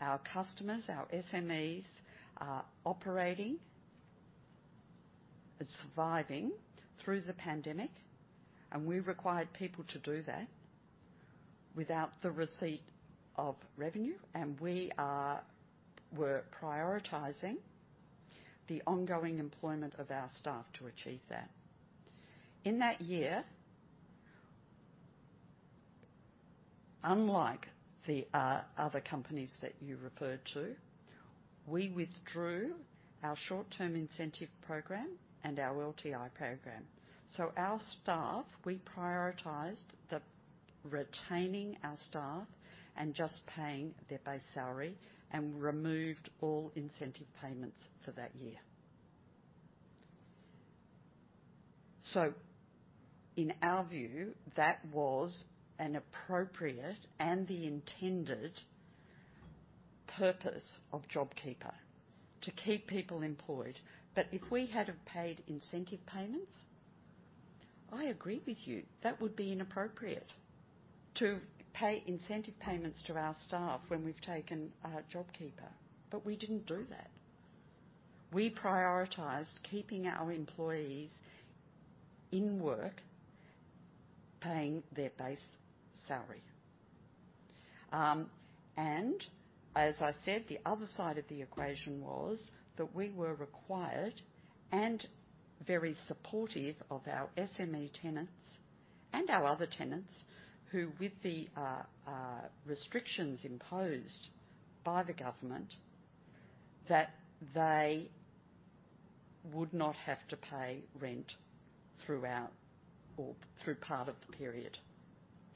Our customers, our SMEs are operating and surviving through the pandemic, and we required people to do that without the receipt of revenue. We are prioritizing the ongoing employment of our staff to achieve that. In that year, unlike the other companies that you referred to, we withdrew our short-term incentive program and our LTI program. Our staff, we prioritized the retaining our staff and just paying their base salary and removed all incentive payments for that year. In our view, that was an appropriate and the intended purpose of JobKeeper, to keep people employed. If we had have paid incentive payments, I agree with you, that would be inappropriate to pay incentive payments to our staff when we've taken JobKeeper. We didn't do that. We prioritized keeping our employees in work, paying their base salary. As I said, the other side of the equation was that we were required and very supportive of our SME tenants and our other tenants who, with the restrictions imposed by the government, that they would not have to pay rent throughout or through part of the period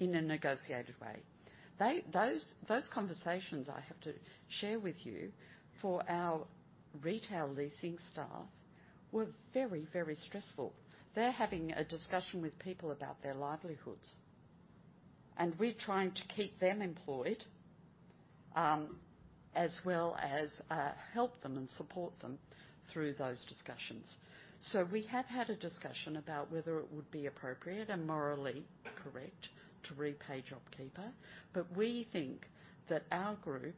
in a negotiated way. Those conversations I have to share with you for our retail leasing staff were very, very stressful. They're having a discussion with people about their livelihoods, and we're trying to keep them employed, as well as help them and support them through those discussions. We have had a discussion about whether it would be appropriate and morally correct to repay JobKeeper, but we think that our group,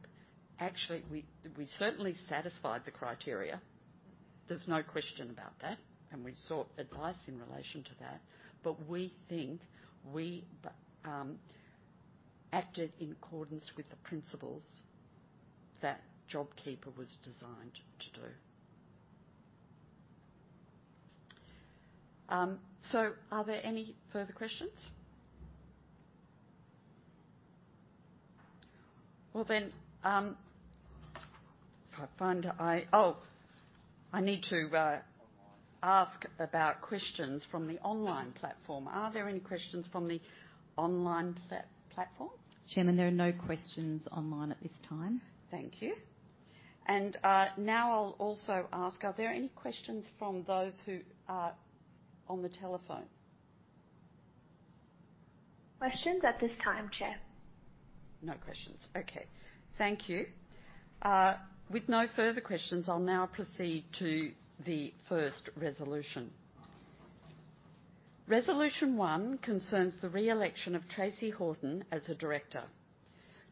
actually, we certainly satisfied the criteria. There's no question about that. We sought advice in relation to that. We think we acted in accordance with the principles that JobKeeper was designed to do. Are there any further questions? I need to ask about questions from the online platform. Are there any questions from the online platform? Chairman, there are no questions online at this time. Thank you. Now I'll also ask, are there any questions from those who are on the telephone? Questions at this time, Chair. No questions. Okay. Thank you. With no further questions, I'll now proceed to the first resolution. Resolution 1 concerns the re-election of Tracey Horton as a director.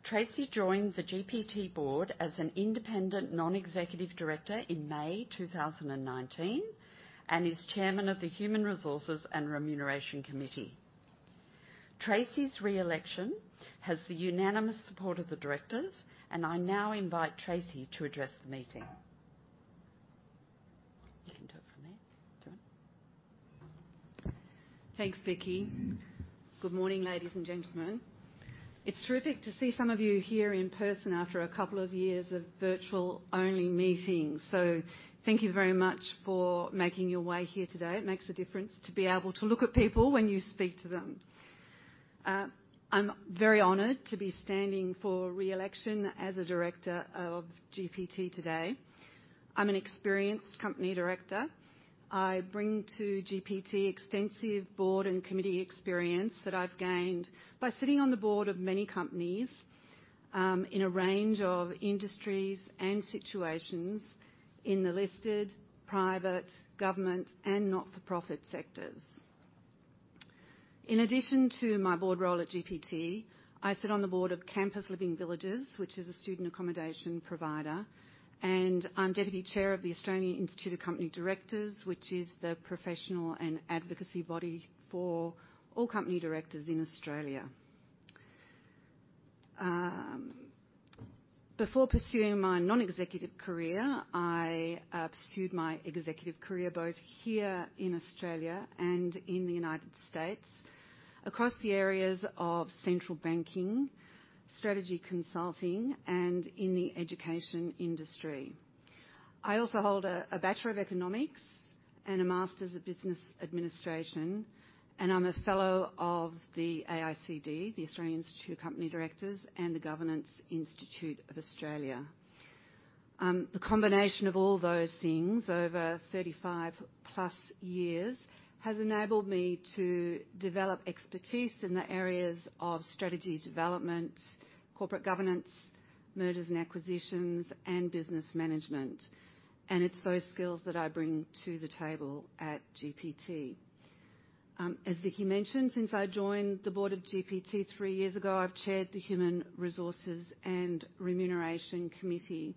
Tracey joined the GPT board as an independent non-executive director in May 2019, and is chairman of the Human Resources and Remuneration Committee. Tracey's re-election has the unanimous support of the directors, and I now invite Tracey to address the meeting. You can do it from there. Tracey. Thanks, Vicki. Good morning, ladies and gentlemen. It's terrific to see some of you here in person after a couple of years of virtual-only meetings. Thank you very much for making your way here today. It makes a difference to be able to look at people when you speak to them. I'm very honored to be standing for re-election as a director of GPT today. I'm an experienced company director. I bring to GPT extensive board and committee experience that I've gained by sitting on the board of many companies, in a range of industries and situations in the listed, private, government, and not-for-profit sectors. In addition to my board role at GPT, I sit on the board of Campus Living Villages, which is a student accommodation provider, and I'm deputy chair of the Australian Institute of Company Directors, which is the professional and advocacy body for all company directors in Australia. Before pursuing my non-executive career, I pursued my executive career both here in Australia and in the United States across the areas of central banking, strategy consulting, and in the education industry. I also hold a Bachelor of Economics and a Master's of Business Administration, and I'm a fellow of the AICD, the Australian Institute of Company Directors, and the Governance Institute of Australia. The combination of all those things over 35+ years has enabled me to develop expertise in the areas of strategy development, corporate governance, mergers and acquisitions, and business management. It's those skills that I bring to the table at GPT. As Vicki mentioned, since I joined the board of GPT three years ago, I've chaired the Human Resources and Remuneration Committee.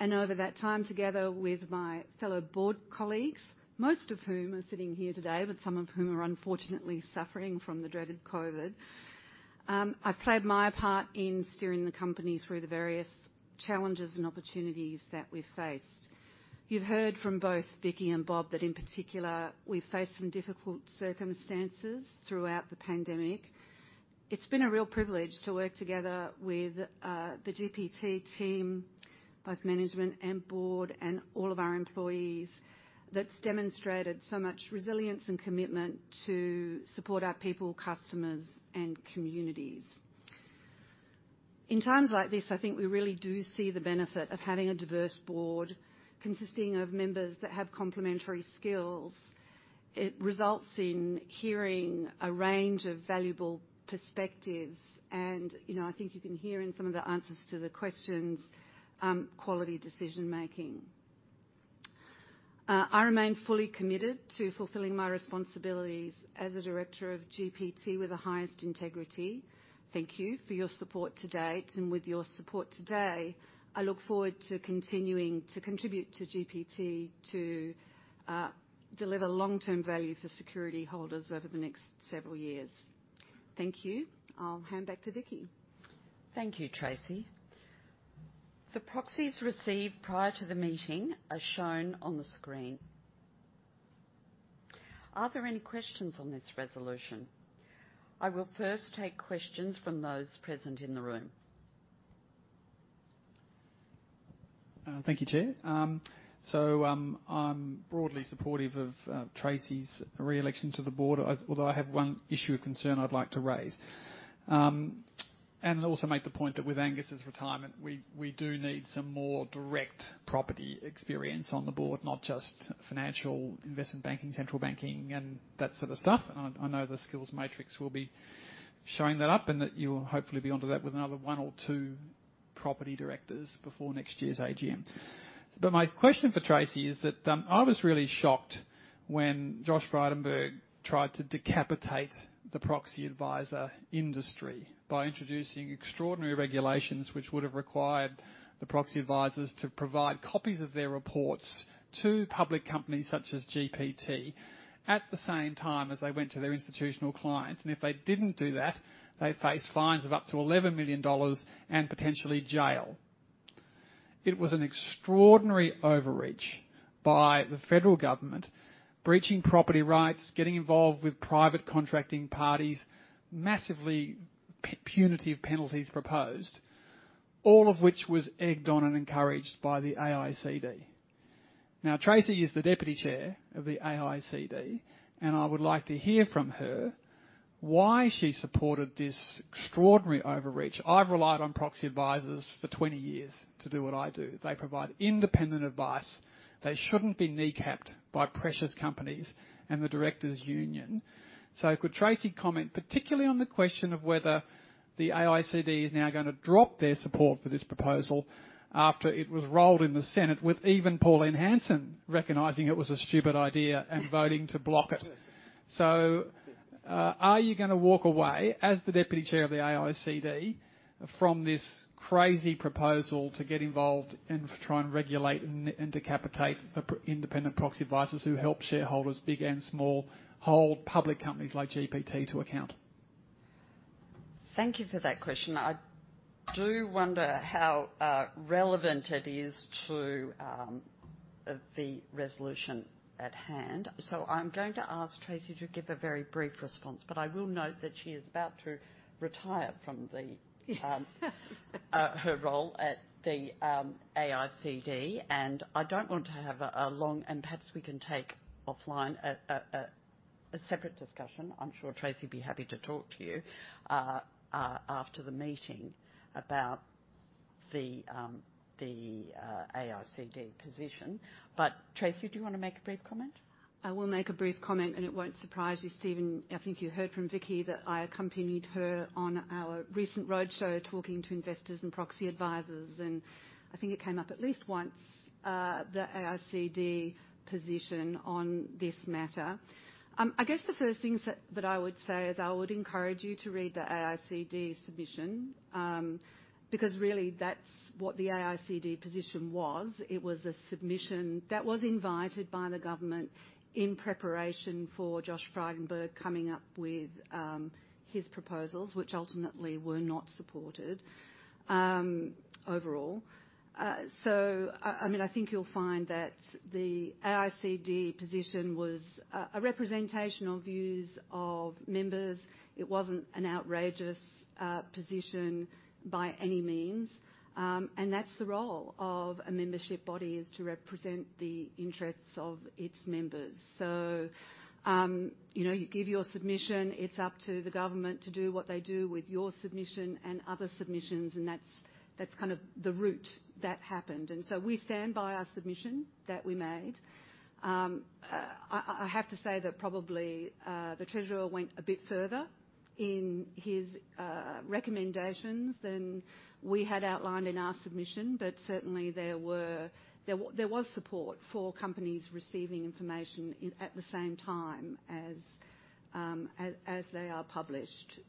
Over that time, together with my fellow board colleagues, most of whom are sitting here today, but some of whom are unfortunately suffering from the dreaded COVID, I played my part in steering the company through the various challenges and opportunities that we faced. You've heard from both Vicki and Bob that in particular, we faced some difficult circumstances throughout the pandemic. It's been a real privilege to work together with the GPT team, both management and board, and all of our employees that's demonstrated so much resilience and commitment to support our people, customers, and communities. In times like this, I think we really do see the benefit of having a diverse board consisting of members that have complementary skills. It results in hearing a range of valuable perspectives and, you know, I think you can hear in some of the answers to the questions, quality decision-making. I remain fully committed to fulfilling my responsibilities as a director of GPT with the highest integrity. Thank you for your support to date. With your support today, I look forward to continuing to contribute to GPT to deliver long-term value for security holders over the next several years. Thank you. I'll hand back to Vicki. Thank you, Tracey. The proxies received prior to the meeting are shown on the screen. Are there any questions on this resolution? I will first take questions from those present in the room. Thank you, Chair. So, I'm broadly supportive of Tracey re-election to the board. Although I have one issue of concern I'd like to raise and also make the point that with Angus's retirement, we do need some more direct property experience on the board, not just financial investment banking, central banking, and that sort of stuff. I know the skills matrix will be showing that up, and that you'll hopefully be onto that with another one or two property directors before next year's AGM. My question for Tracey is that, I was really shocked when Josh Frydenberg tried to decapitate the proxy advisor industry by introducing extraordinary regulations, which would have required the proxy advisors to provide copies of their reports to public companies such as GPT at the same time as they went to their institutional clients, and if they didn't do that, they faced fines of up to 11 million dollars and potentially jail. It was an extraordinary overreach by the federal government, breaching property rights, getting involved with private contracting parties, massively punitive penalties proposed, all of which was egged on and encouraged by the AICD. Now, Tracey is the deputy chair of the AICD, and I would like to hear from her why she supported this extraordinary overreach. I've relied on proxy advisors for 20 years to do what I do. They provide independent advice. They shouldn't be kneecapped by precious companies and the directors union. Could Tracey comment particularly on the question of whether the AICD is now gonna drop their support for this proposal after it was rolled in the Senate with even Pauline Hanson recognizing it was a stupid idea and voting to block it? Are you gonna walk away as the deputy chair of the AICD from this crazy proposal to get involved and try and regulate and decapitate the independent proxy advisors who help shareholders, big and small, hold public companies like GPT to account? Thank you for that question. I do wonder how relevant it is to the resolution at hand. I'm going to ask Tracey to give a very brief response. I will note that she is about to retire from her role at the AICD, and I don't want to have a separate discussion. I'm sure Tracey would be happy to talk to you after the meeting about the AICD position. Tracey, do you wanna make a brief comment? I will make a brief comment, and it won't surprise you, Stephen. I think you heard from Vickki that I accompanied her on our recent roadshow talking to investors and proxy advisors, and I think it came up at least once, the AICD position on this matter. I guess the first things that I would say is I would encourage you to read the AICD submission, because really that's what the AICD position was. It was a submission that was invited by the government in preparation for Josh Frydenberg coming up with, his proposals, which ultimately were not supported, overall. I mean, I think you'll find that the AICD position was a representation of views of members. It wasn't an outrageous position by any means. That's the role of a membership body, is to represent the interests of its members. You know, you give your submission, it's up to the government to do what they do with your submission and other submissions, and that's kind of the route that happened. We stand by our submission that we made. I have to say that probably the Treasurer went a bit further in his recommendations than we had outlined in our submission, but certainly there was support for companies receiving information in at the same time as they are published.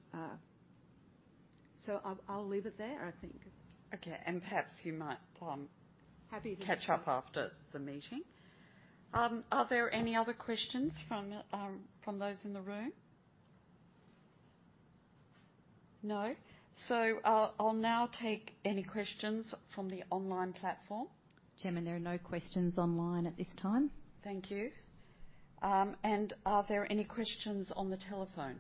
I'll leave it there, I think. Okay. Perhaps you might. Happy to- Catch up after the meeting. Are there any other questions from those in the room? No. I'll now take any questions from the online platform. Chairman, there are no questions online at this time. Thank you. Are there any questions on the telephone?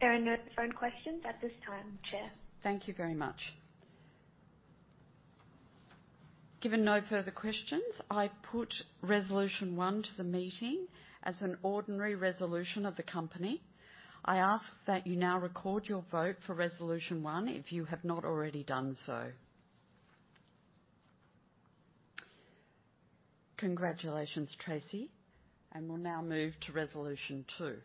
There are no phone questions at this time, Chair. Thank you very much. Given no further questions, I put resolution one to the meeting as an ordinary resolution of the company. I ask that you now record your vote for resolution one if you have not already done so. Congratulations, Tracey. We'll now move to resolution two.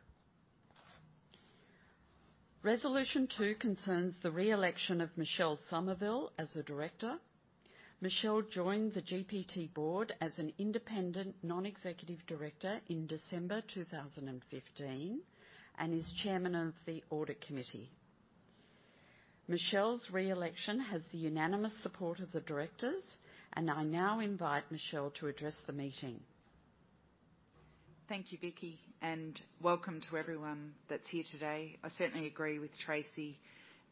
Resolution two concerns the re-election of Michelle Somerville as a director. Michelle joined the GPT board as an independent non-executive director in December 2015, and is Chairman of the audit committee. Michelle's re-election has the unanimous support of the directors, and I now invite Michelle to address the meeting. Thank you, Vicki, and welcome to everyone that's here today. I certainly agree with Tracey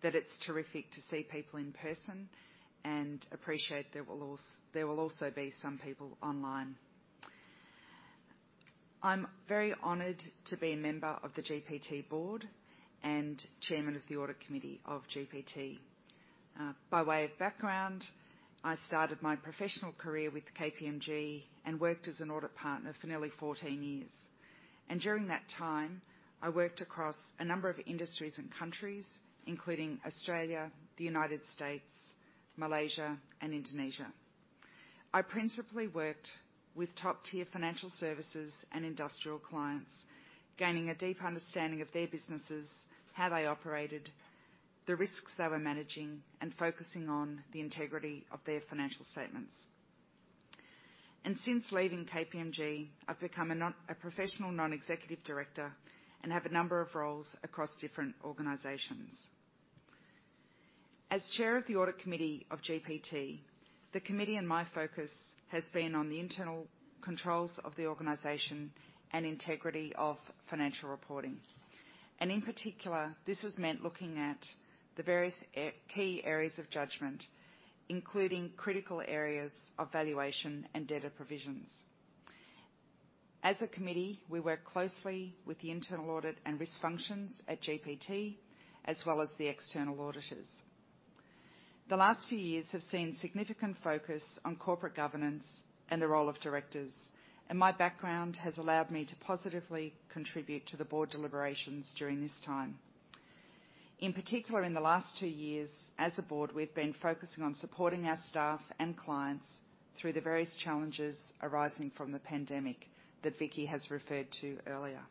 that it's terrific to see people in person, and appreciate there will also be some people online. I'm very honored to be a member of the GPT board and chairman of the audit committee of GPT. By way of background, I started my professional career with KPMG and worked as an audit partner for nearly 14 years. During that time, I worked across a number of industries and countries, including Australia, the United States, Malaysia, and Indonesia. I principally worked with top-tier financial services and industrial clients, gaining a deep understanding of their businesses, how they operated, the risks they were managing, and focusing on the integrity of their financial statements. Since leaving KPMG, I've become a professional non-executive director and have a number of roles across different organizations. As chair of the audit committee of GPT, the committee and my focus has been on the internal controls of the organization and integrity of financial reporting. In particular, this has meant looking at the various key areas of judgment, including critical areas of valuation and data provisions. As a committee, we work closely with the internal audit and risk functions at GPT, as well as the external auditors. The last few years have seen significant focus on corporate governance and the role of directors, and my background has allowed me to positively contribute to the board deliberations during this time. In particular, in the last two years as a board, we've been focusing on supporting our staff and clients through the various challenges arising from the pandemic that Vickki has referred to earlier.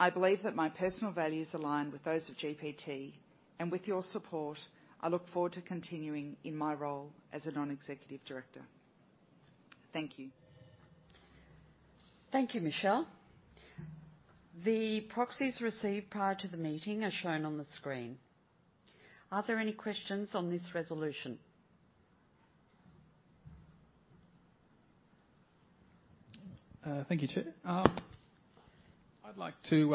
I believe that my personal values align with those of GPT, and with your support, I look forward to continuing in my role as a non-executive director. Thank you. Thank you, Michelle. The proxies received prior to the meeting are shown on the screen. Are there any questions on this resolution? Thank you, Chair. I'd like to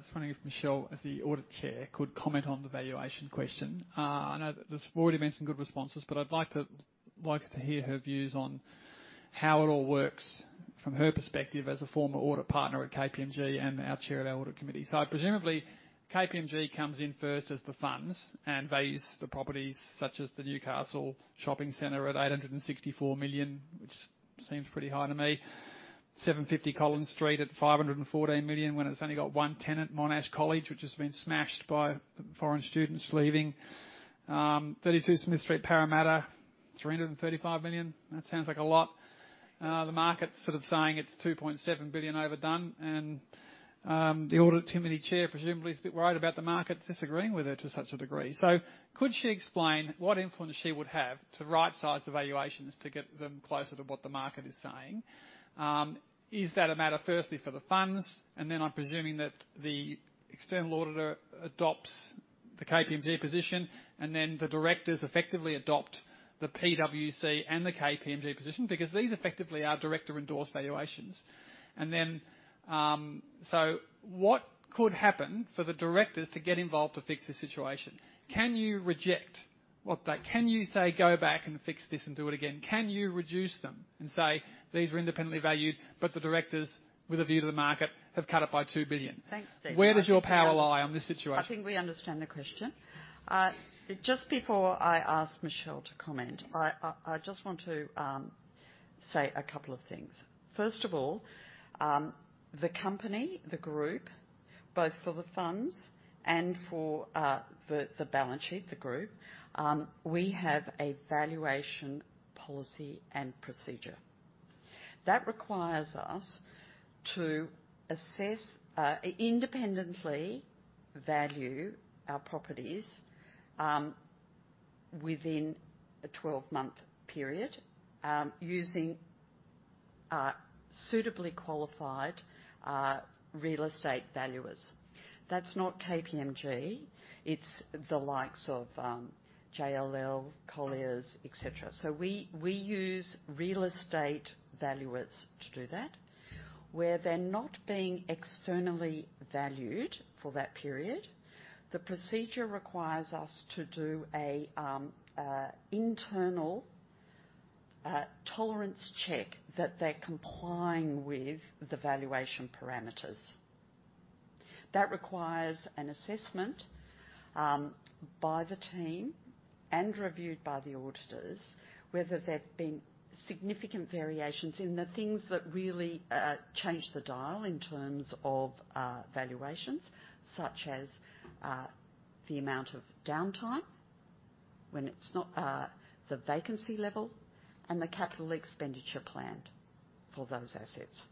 just wondering if Michelle, as the audit chair, could comment on the valuation question. I know that there's already been some good responses, but I'd like to hear her views on how it all works from her perspective as a former audit partner at KPMG and our chair at our audit committee. Presumably KPMG comes in first as the funds and values the properties such as the Newcastle Shopping Center at 864 million, which seems pretty high to me. 750 Collins Street at 514 million when it's only got one tenant, Monash College, which has been smashed by foreign students leaving. 32 Smith Street, Parramatta, 335 million. That sounds like a lot. The market's sort of saying it's 2.7 billion overdone. The audit committee chair presumably is a bit worried about the markets disagreeing with her to such a degree. Could she explain what influence she would have to right-size the valuations to get them closer to what the market is saying? Is that a matter firstly for the funds? I'm presuming that the external auditor adopts the KPMG position, and then the directors effectively adopt the PwC and the KPMG position because these effectively are director-endorsed valuations. What could happen for the directors to get involved to fix the situation? Can you say, "Go back and fix this and do it again"? Can you reduce them and say, "These were independently valued, but the directors with a view to the market, have cut it by AUD 2 billion"? Thanks, Steve. Where does your power lie on this situation? I think we understand the question. Just before I ask Michelle to comment, I just want to say a couple of things. First of all, the company, the group, both for the funds and for the balance sheet, the group, we have a valuation policy and procedure. That requires us to assess independently value our properties within a 12-month period using suitably qualified real estate valuers. That's not KPMG, it's the likes of JLL, Colliers, et cetera. We use real estate valuers to do that. Where they're not being externally valued for that period, the procedure requires us to do an internal tolerance check that they're complying with the valuation parameters. That requires an assessment by the team and reviewed by the auditors, whether there have been significant variations in the things that really change the dial in terms of valuations, such as the amount of downtime when it's not the vacancy level and the capital expenditure planned for those assets.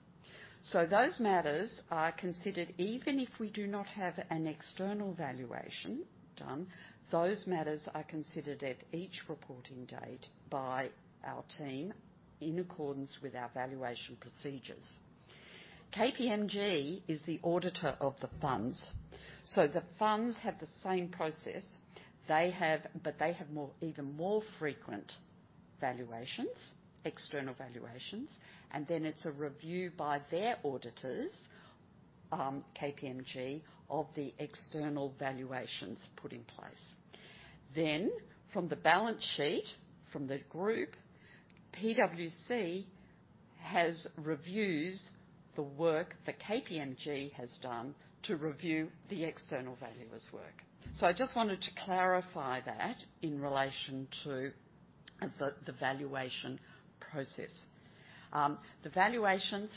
Those matters are considered even if we do not have an external valuation done, those matters are considered at each reporting date by our team in accordance with our valuation procedures. KPMG is the auditor of the funds. The funds have the same process they have, but they have more, even more frequent valuations, external valuations, and then it's a review by their auditors, KPMG, of the external valuations put in place. From the balance sheet from the group, PwC reviews the work that KPMG has done to review the external valuer's work. I just wanted to clarify that in relation to the valuation process. The valuations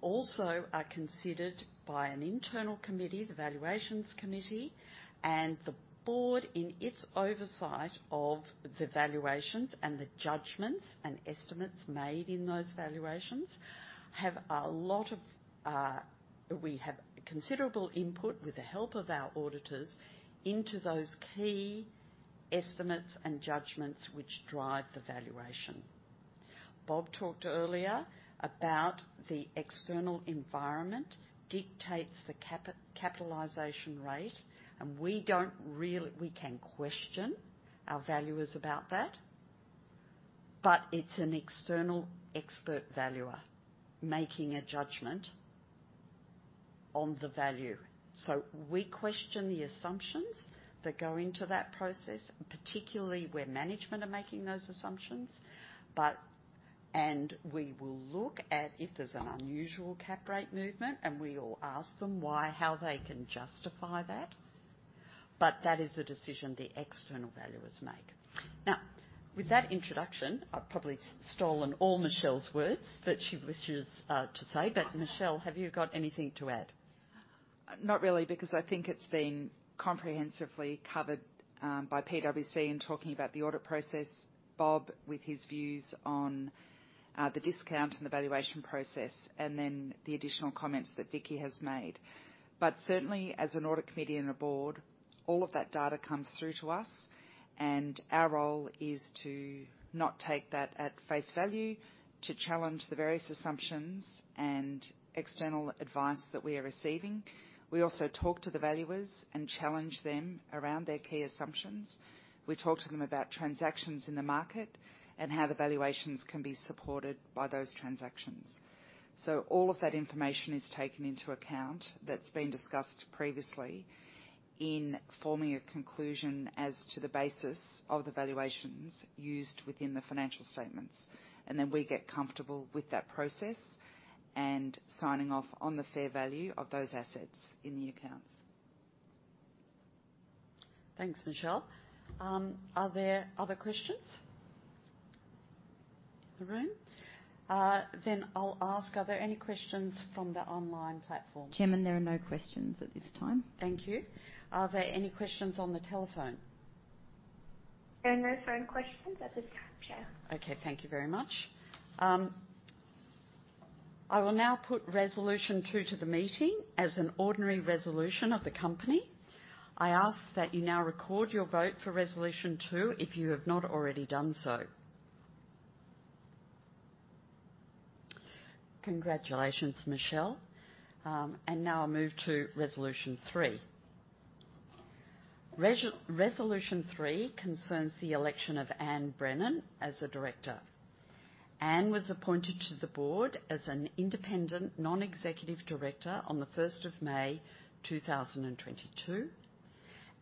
also are considered by an internal committee, the valuations committee, and the board, in its oversight of the valuations and the judgments and estimates made in those valuations, have a lot of, we have considerable input with the help of our auditors into those key estimates and judgments which drive the valuation. Bob talked earlier about the external environment dictates the capitalization rate, and we don't really. We can question our valuers about that, but it's an external expert valuer making a judgment on the value. We question the assumptions that go into that process, particularly where management are making those assumptions. We will look at if there's an unusual cap rate movement, and we will ask them why, how they can justify that. That is a decision the external valuers make. Now, with that introduction, I've probably stolen all Michelle's words that she wishes to say, but Michelle, have you got anything to add? Not really, because I think it's been comprehensively covered by PwC in talking about the audit process. Bob, with his views on the discount and the valuation process, and then the additional comments that Vickki has made. Certainly as an audit committee and a board, all of that data comes through to us, and our role is to not take that at face value, to challenge the various assumptions and external advice that we are receiving. We also talk to the valuers and challenge them around their key assumptions. We talk to them about transactions in the market and how the valuations can be supported by those transactions. All of that information is taken into account that's been discussed previously in forming a conclusion as to the basis of the valuations used within the financial statements. We get comfortable with that process and signing off on the fair value of those assets in the accounts. Thanks, Michelle. Are there other questions in the room? I'll ask, are there any questions from the online platform? Chairman, there are no questions at this time. Thank you. Are there any questions on the telephone? There are no phone questions at this time, Chair. Okay. Thank you very much. I will now put resolution two to the meeting as an ordinary resolution of the company. I ask that you now record your vote for resolution two if you have not already done so. Congratulations, Michelle. Now I move to resolution three. Resolution three concerns the election of Anne Brennan as a director. Anne was appointed to the board as an independent non-executive director on the first of May 2022.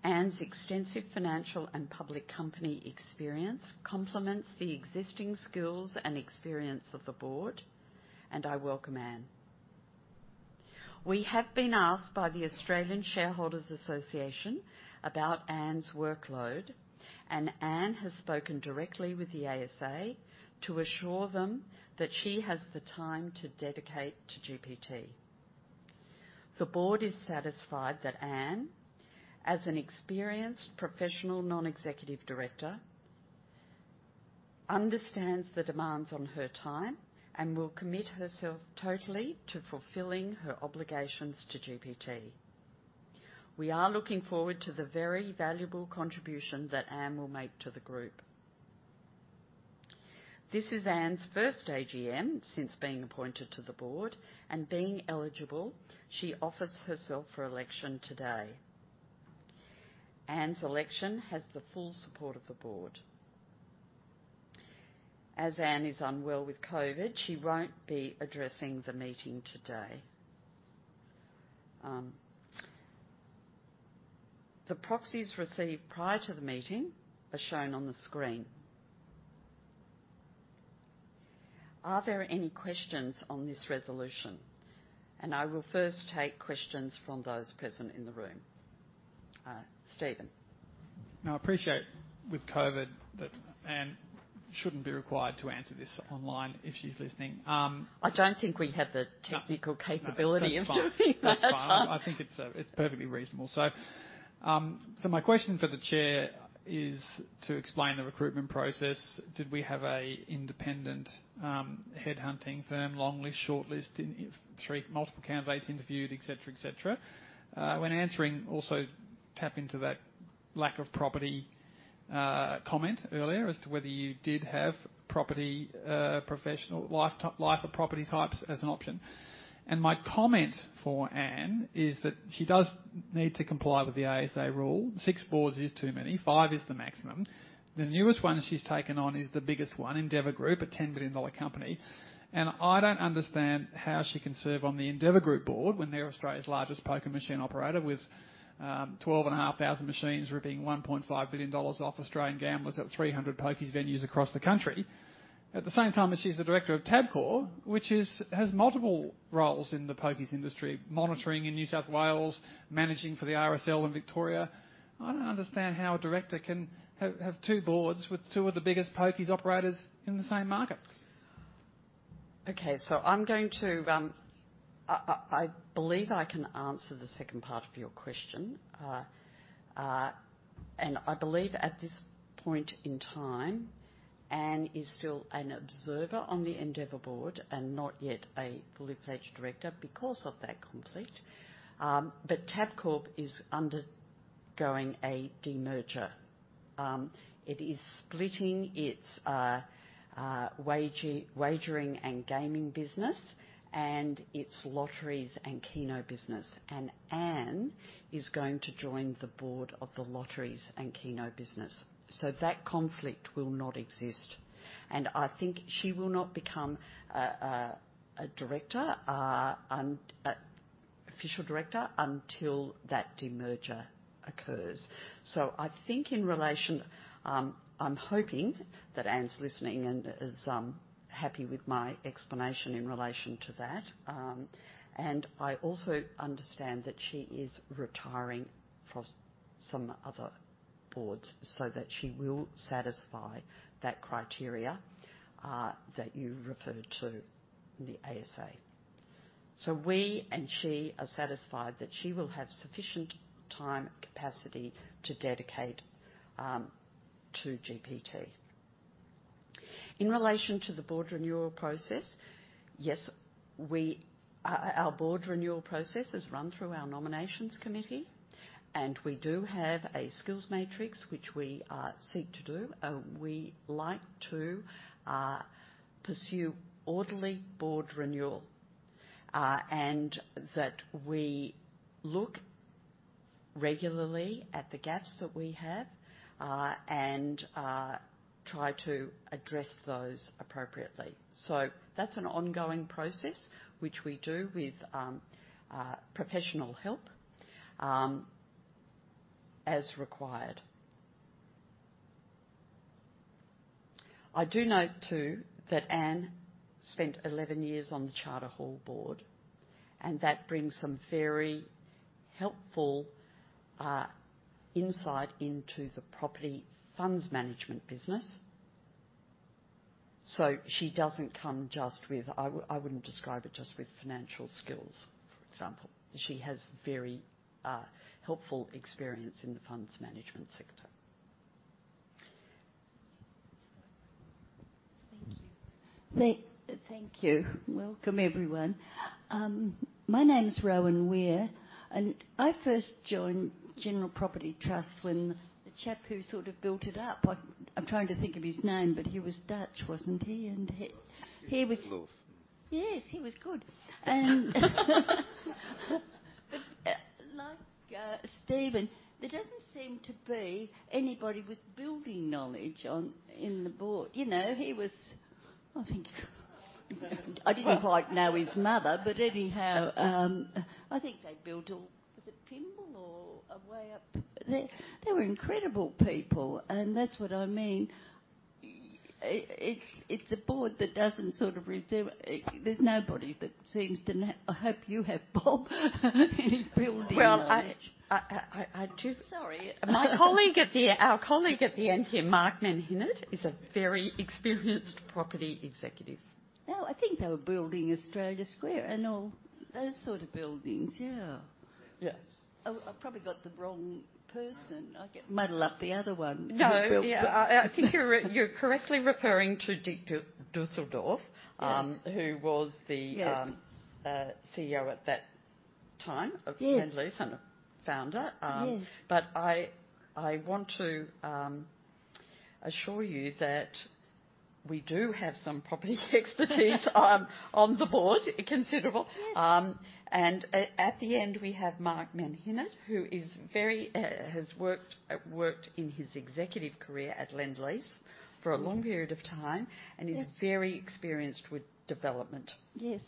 Anne's extensive financial and public company experience complements the existing skills and experience of the board, and I welcome Anne. We have been asked by the Australian Shareholders' Association about Anne's workload, and Anne has spoken directly with the ASA to assure them that she has the time to dedicate to GPT. The board is satisfied that Anne, as an experienced professional non-executive director, understands the demands on her time and will commit herself totally to fulfilling her obligations to GPT. We are looking forward to the very valuable contribution that Anne will make to the group. This is Anne's first AGM since being appointed to the board, and being eligible, she offers herself for election today. Anne's election has the full support of the board. As Anne is unwell with COVID, she won't be addressing the meeting today. The proxies received prior to the meeting are shown on the screen. Are there any questions on this resolution? I will first take questions from those present in the room. Stephen. Now, I appreciate with COVID that Anne shouldn't be required to answer this online if she's listening. I don't think we have the technical capability of doing that. That's fine. I think it's perfectly reasonable. My question for the chair is to explain the recruitment process. Did we have a independent headhunting firm, long list, short list, if three multiple candidates interviewed, et cetera, et cetera? When answering, also tap into that lack of property comment earlier as to whether you did have property professional life of property types as an option. My comment for Anne is that she does need to comply with the ASA rule. Six boards is too many. Five is the maximum. The newest one she's taken on is the biggest one, Endeavour Group, a 10 billion dollar company. I don't understand how she can serve on the Endeavour Group board when they're Australia's largest poker machine operator with 12,500 machines ripping 1.5 billion dollars off Australian gamblers at 300 pokies venues across the country. At the same time as she's the director of Tabcorp, which has multiple roles in the pokies industry, monitoring in New South Wales, managing for the RSL in Victoria. I don't understand how a director can have two boards with two of the biggest pokies operators in the same market. Okay. I believe I can answer the second part of your question. I believe at this point in time, Anne is still an observer on the Endeavour board and not yet a fully fledged director because of that conflict. Tabcorp is undergoing a demerger. It is splitting its wagering and gaming business and its lotteries and Keno business. Anne is going to join the board of the lotteries and Keno business. That conflict will not exist. I think she will not become an official director until that demerger occurs. I think in relation, I'm hoping that Anne's listening and is happy with my explanation in relation to that. I also understand that she is retiring from some other boards so that she will satisfy that criteria that you referred to in the ASA. We and she are satisfied that she will have sufficient time capacity to dedicate to GPT. In relation to the board renewal process, yes, our board renewal process is run through our nominations committee, and we do have a skills matrix which we seek to do. We like to pursue orderly board renewal, and that we look regularly at the gaps that we have, and try to address those appropriately. That's an ongoing process which we do with professional help, as required. I do note too, that Anne spent 11 years on the Charter Hall board, and that brings some very helpful insight into the property funds management business. I wouldn't describe it just with financial skills, for example. She has very helpful experience in the funds management sector. Thank you. Welcome, everyone. My name is Rowan Weir, and I first joined General Property Trust when the chap who sort of built it up. I'm trying to think of his name, but he was Dutch, wasn't he? Yes. Dusseldorp. Yes, he was good. Stephen, there doesn't seem to be anybody with building knowledge on the board. You know, he was, I think I didn't quite know his mother, but anyhow, I think they built all. Was it Pymble or way up? They were incredible people, and that's what I mean. It's a board that doesn't sort of reserve. There's nobody that seems to know. I hope you have, Bob, any building knowledge. Well, I do. Sorry. Our colleague at the end here, Mark Menhinnitt, is a very experienced property executive. No, I think they were building Australia Square and all those sort of buildings. Yeah. Yeah. Oh, I've probably got the wrong person. I get muddled up the other one. No. Yeah. I think you're correctly referring to Dick Dusseldorp. Yes. -um, who was the, um- Yes. CEO at that time. Yes. of Lendlease and a founder. Yes. I want to assure you that we do have some property expertise on the board. Considerable. Yes. At the end, we have Mark Menhinnitt, who is very has worked in his executive career at Lendlease for a long period of time, and is very experienced with development. Yes.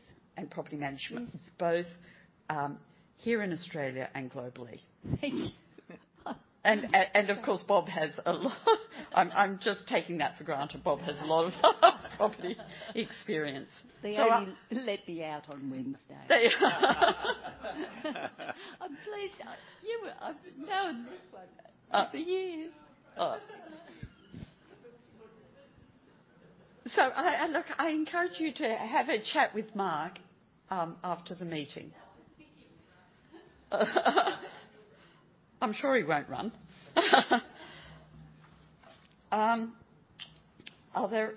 property management. Yes. both here in Australia and globally. Thank you. Of course, Bob has a lot. I'm just taking that for granted. Bob has a lot of property experience. They only let me out on Wednesday. They... I'm pleased. I've known this one for years. Look, I encourage you to have a chat with Mark after the meeting. I'm sure he won't run. Are there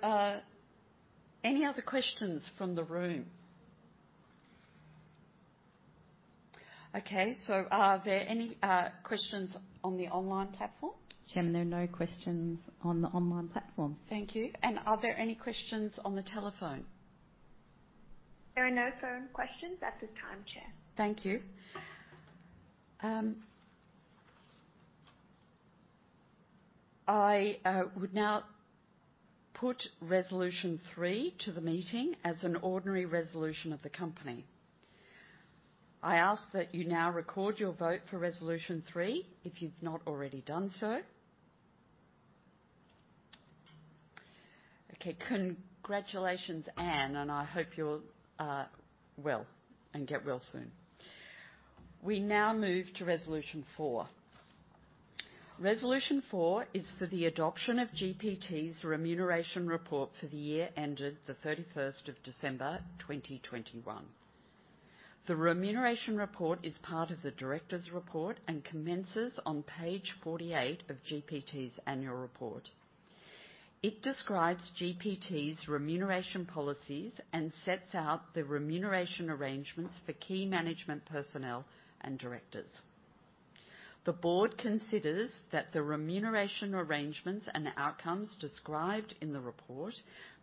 any other questions from the room? Okay. Are there any questions on the online platform? Chairman, there are no questions on the online platform. Thank you. Are there any questions on the telephone? There are no phone questions at this time, Chair. Thank you. I would now put resolution three to the meeting as an ordinary resolution of the company. I ask that you now record your vote for resolution three if you've not already done so. Okay. Congratulations, Anne, and I hope you're well and get well soon. We now move to resolution four. Resolution four is for the adoption of GPT's remuneration report for the year ended 31 December 2021. The remuneration report is part of the directors' report and commences on page 48 of GPT's annual report. It describes GPT's remuneration policies and sets out the remuneration arrangements for key management personnel and directors. The board considers that the remuneration arrangements and outcomes described in the report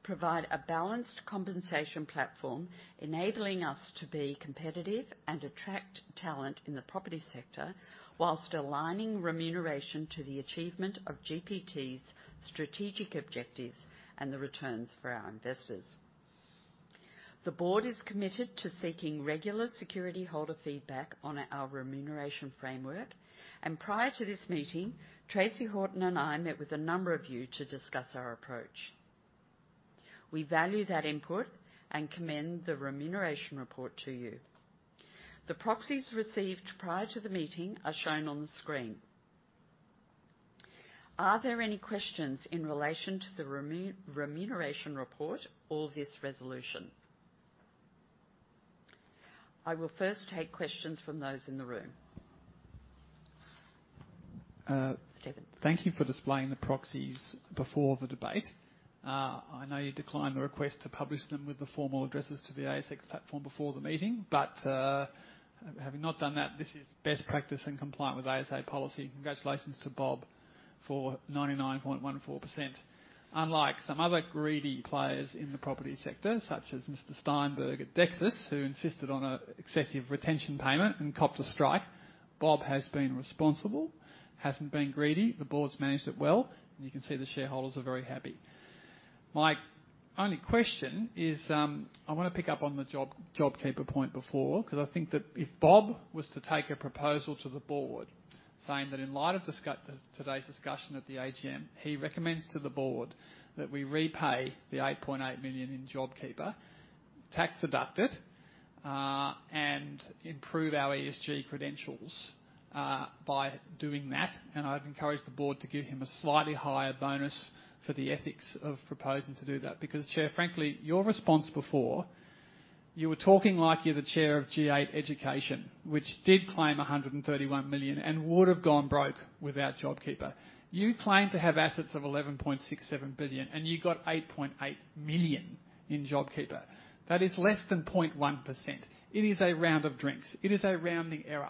provide a balanced compensation platform, enabling us to be competitive and attract talent in the property sector, while aligning remuneration to the achievement of GPT's strategic objectives and the returns for our investors. The board is committed to seeking regular security holder feedback on our remuneration framework. Prior to this meeting, Tracey Horton and I met with a number of you to discuss our approach. We value that input and commend the remuneration report to you. The proxies received prior to the meeting are shown on the screen. Are there any questions in relation to the remuneration report or this resolution? I will first take questions from those in the room. Stephen. Thank you for displaying the proxies before the debate. I know you declined the request to publish them with the formal addresses to the ASX platform before the meeting, but having not done that, this is best practice and compliant with ASA policy. Congratulations to Bob for 99.14%. Unlike some other greedy players in the property sector, such as Darren Steinberg at Dexus, who insisted on an excessive retention payment and copped a strike, Bob has been responsible, hasn't been greedy, the board's managed it well, and you can see the shareholders are very happy. My only question is, I wanna pick up on the JobKeeper point before, 'cause I think that if Bob was to take a proposal to the board saying that in light of today's discussion at the AGM, he recommends to the board that we repay the 8.8 million in JobKeeper, tax-deducted, and improve our ESG credentials, by doing that, and I'd encourage the board to give him a slightly higher bonus for the ethics of proposing to do that because, Chair, frankly, your response before, you were talking like you're the chair of G8 Education, which did claim 131 million and would have gone broke without JobKeeper. You claim to have assets of 11.67 billion, and you got 8.8 million in JobKeeper. That is less than 0.1%. It is a round of drinks. It is a rounding error.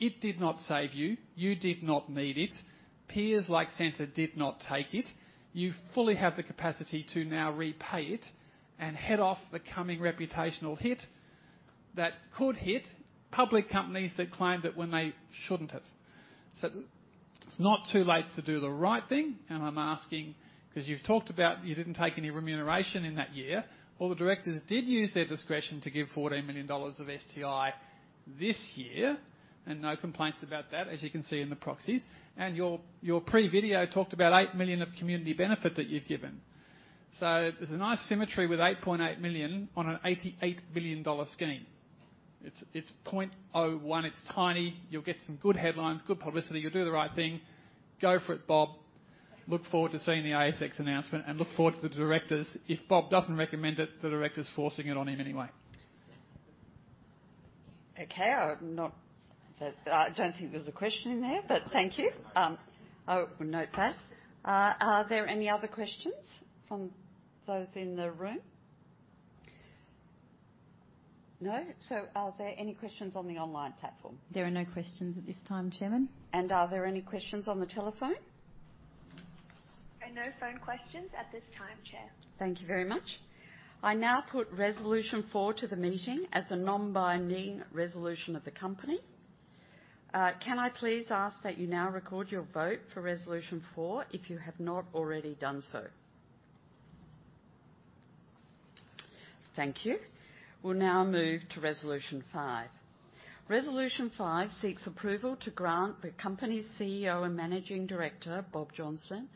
It did not save you. You did not need it. Peers like Scentre did not take it. You fully have the capacity to now repay it and head off the coming reputational hit that could hit public companies that claimed it when they shouldn't have. It's not too late to do the right thing, and I'm asking because you've talked about you didn't take any remuneration in that year. All the directors did use their discretion to give AUD 14 million of STI this year, and no complaints about that, as you can see in the proxies. Your pre-video talked about 8 million of community benefit that you've given. There's a nice symmetry with 8.8 million on an 88 billion dollar scheme. It's 0.01. It's tiny. You'll get some good headlines, good publicity. You'll do the right thing. Go for it, Bob. Look forward to seeing the ASX announcement and look forward to the directors. If Bob doesn't recommend it, the directors are forcing it on him anyway. Okay. I don't think there's a question in there, but thank you. I will note that. Are there any other questions from those in the room? No. Are there any questions on the online platform? There are no questions at this time, Chairman. Are there any questions on the telephone? No phone questions at this time, Chair. Thank you very much. I now put resolution four to the meeting as a non-binding resolution of the company. Can I please ask that you now record your vote for resolution four if you have not already done so. Thank you. We'll now move to resolution five. Resolution five seeks approval to grant the company's CEO and Managing Director, Bob Johnston,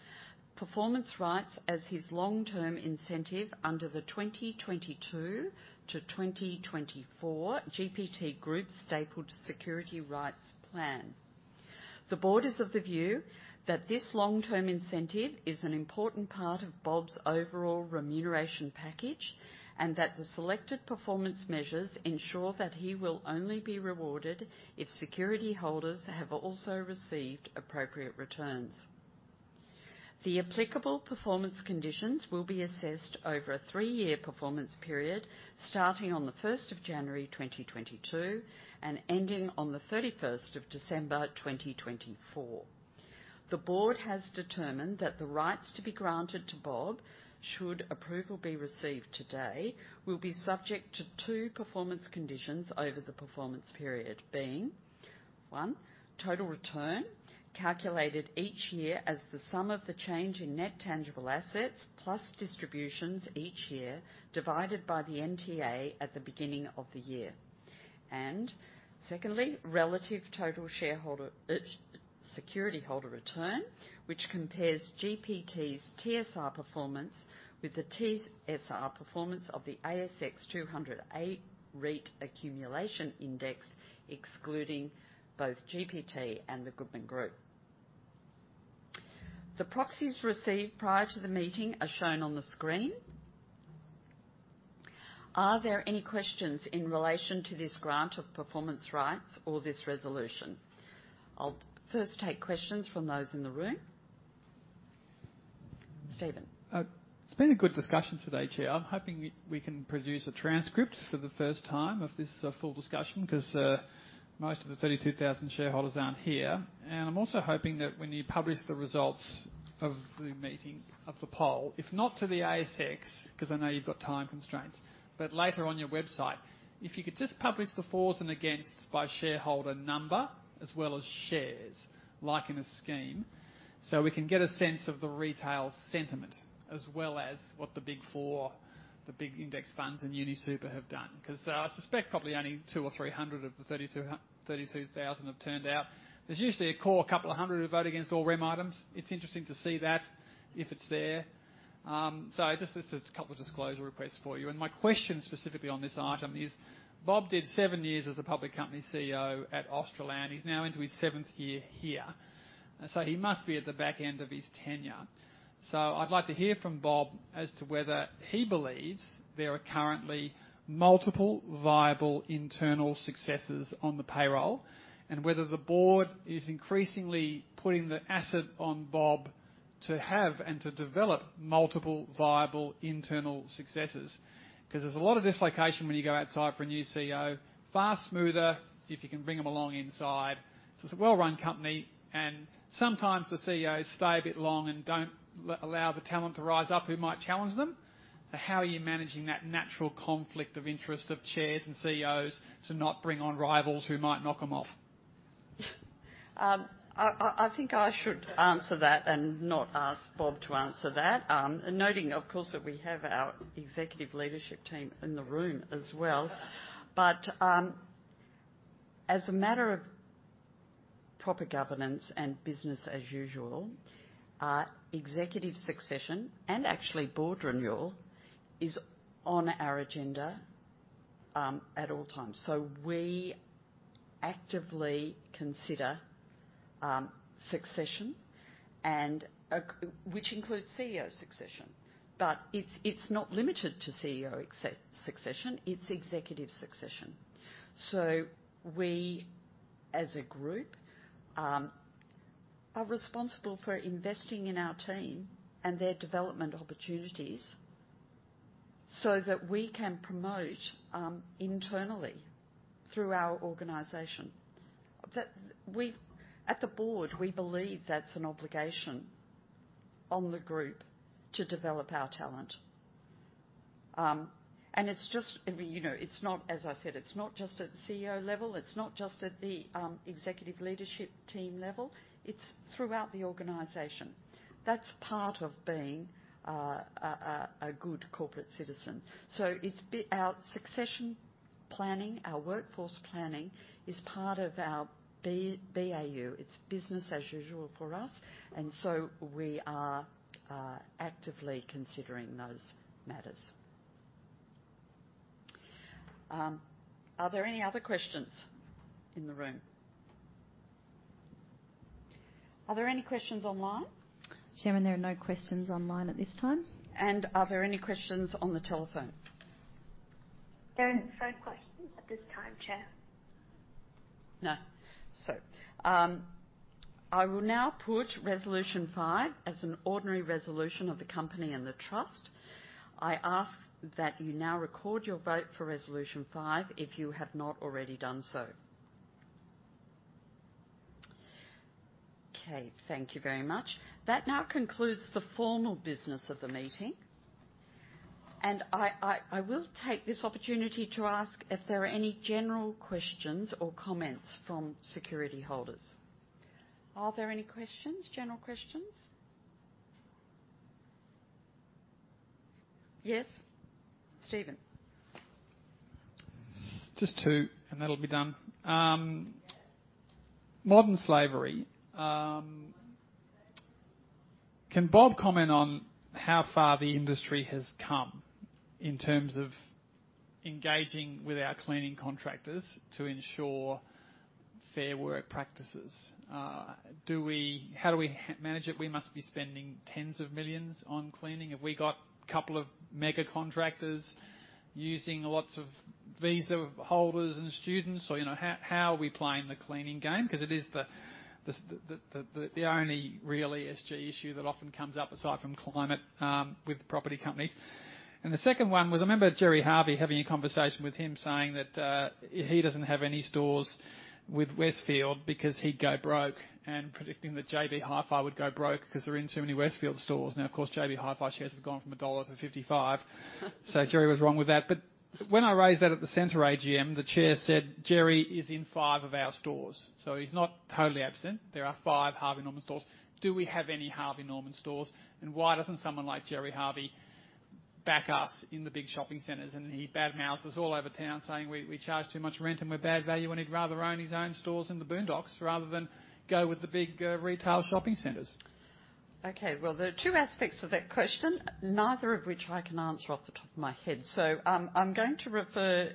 performance rights as his long-term incentive under the 2022 to 2024 GPT Group Stapled Security Rights Plan. The board is of the view that this long-term incentive is an important part of Bob's overall remuneration package and that the selected performance measures ensure that he will only be rewarded if security holders have also received appropriate returns. The applicable performance conditions will be assessed over a three-year performance period starting on January 1, 2022 and ending on December 31, 2024. The board has determined that the rights to be granted to Bob, should approval be received today, will be subject to two performance conditions over the performance period being, one, total return calculated each year as the sum of the change in net tangible assets plus distributions each year divided by the NTA at the beginning of the year. Secondly, relative total shareholder, security holder return, which compares GPT's TSR performance with the TSR performance of the S&P/ASX 200 A-REIT Accumulation Index, excluding both GPT and the Goodman Group. The proxies received prior to the meeting are shown on the screen. Are there any questions in relation to this grant of performance rights or this resolution? I'll first take questions from those in the room. Stephen. It's been a good discussion today, Chair. I'm hoping we can produce a transcript for the first time of this full discussion because most of the 32,000 shareholders aren't here. I'm also hoping that when you publish the results of the meeting, of the poll, if not to the ASX, 'cause I know you've got time constraints, but later on your website, if you could just publish the for and against by shareholder number as well as shares, like in a scheme, so we can get a sense of the retail sentiment as well as what the Big Four, the big index funds and UniSuper have done 'cause I suspect probably only 200 or 300 of the 32,000 have turned out. There's usually a core couple of hundred who vote against all REM items. It's interesting to see that if it's there. It's just a couple of disclosure requests for you. My question specifically on this item is, Bob did 7 years as a public company CEO at Australand. He's now into his seventh year here, so he must be at the back end of his tenure. I'd like to hear from Bob as to whether he believes there are currently multiple viable internal successors on the payroll and whether the board is increasingly putting the onus on Bob to have and to develop multiple viable internal successors. 'Cause there's a lot of dislocation when you go outside for a new CEO. Far smoother if you can bring them along inside. This is a well-run company, and sometimes the CEOs stay a bit long and don't allow the talent to rise up who might challenge them. How are you managing that natural conflict of interest of chairs and CEOs to not bring on rivals who might knock them off? I think I should answer that and not ask Bob to answer that. Noting, of course, that we have our executive leadership team in the room as well. As a matter of proper governance and business as usual, executive succession and actually board renewal is on our agenda at all times. We actively consider succession and which includes CEO succession, but it's not limited to CEO succession, it's executive succession. We, as a group, are responsible for investing in our team and their development opportunities so that we can promote internally through our organization. At the board, we believe that's an obligation on the group to develop our talent. It's just, you know, it's not, as I said, it's not just at the CEO level, it's not just at the executive leadership team level, it's throughout the organization. That's part of being a good corporate citizen. It's our succession planning, our workforce planning is part of our BAU. It's business as usual for us. We are actively considering those matters. Are there any other questions in the room? Are there any questions online? Chairman, there are no questions online at this time. Are there any questions on the telephone? There are no phone questions at this time, Chair. No. I will now put resolution five as an ordinary resolution of the company and the trust. I ask that you now record your vote for resolution five if you have not already done so. Okay, thank you very much. That now concludes the formal business of the meeting. I will take this opportunity to ask if there are any general questions or comments from security holders. Are there any questions, general questions? Yes, Stephen. Just two, and that'll be done. Modern slavery. Can Bob comment on how far the industry has come in terms of engaging with our cleaning contractors to ensure fair work practices? How do we manage it? We must be spending AUD tens of millions on cleaning. Have we got a couple of mega contractors using lots of visa holders and students? You know, how are we playing the cleaning game? 'Cause it is the only real ESG issue that often comes up aside from climate with property companies. The second one was, I remember Gerry Harvey having a conversation with him saying that he doesn't have any stores with Westfield because he'd go broke, and predicting that JB Hi-Fi would go broke 'cause they're in too many Westfield stores. Now, of course, JB Hi-Fi shares have gone from AUD 1 to 55 dollar. Gerry was wrong with that. When I raised that at the Scentre AGM, the chair said Gerry is in five of our stores, so he's not totally absent. There are five Harvey Norman stores. Do we have any Harvey Norman stores? Why doesn't someone like Gerry Harvey back us in the big shopping centers? He badmouths all over town saying we charge too much rent and we're bad value, and he'd rather own his own stores in the boondocks rather than go with the big retail shopping centers. Well, there are two aspects to that question, neither of which I can answer off the top of my head. I'm going to refer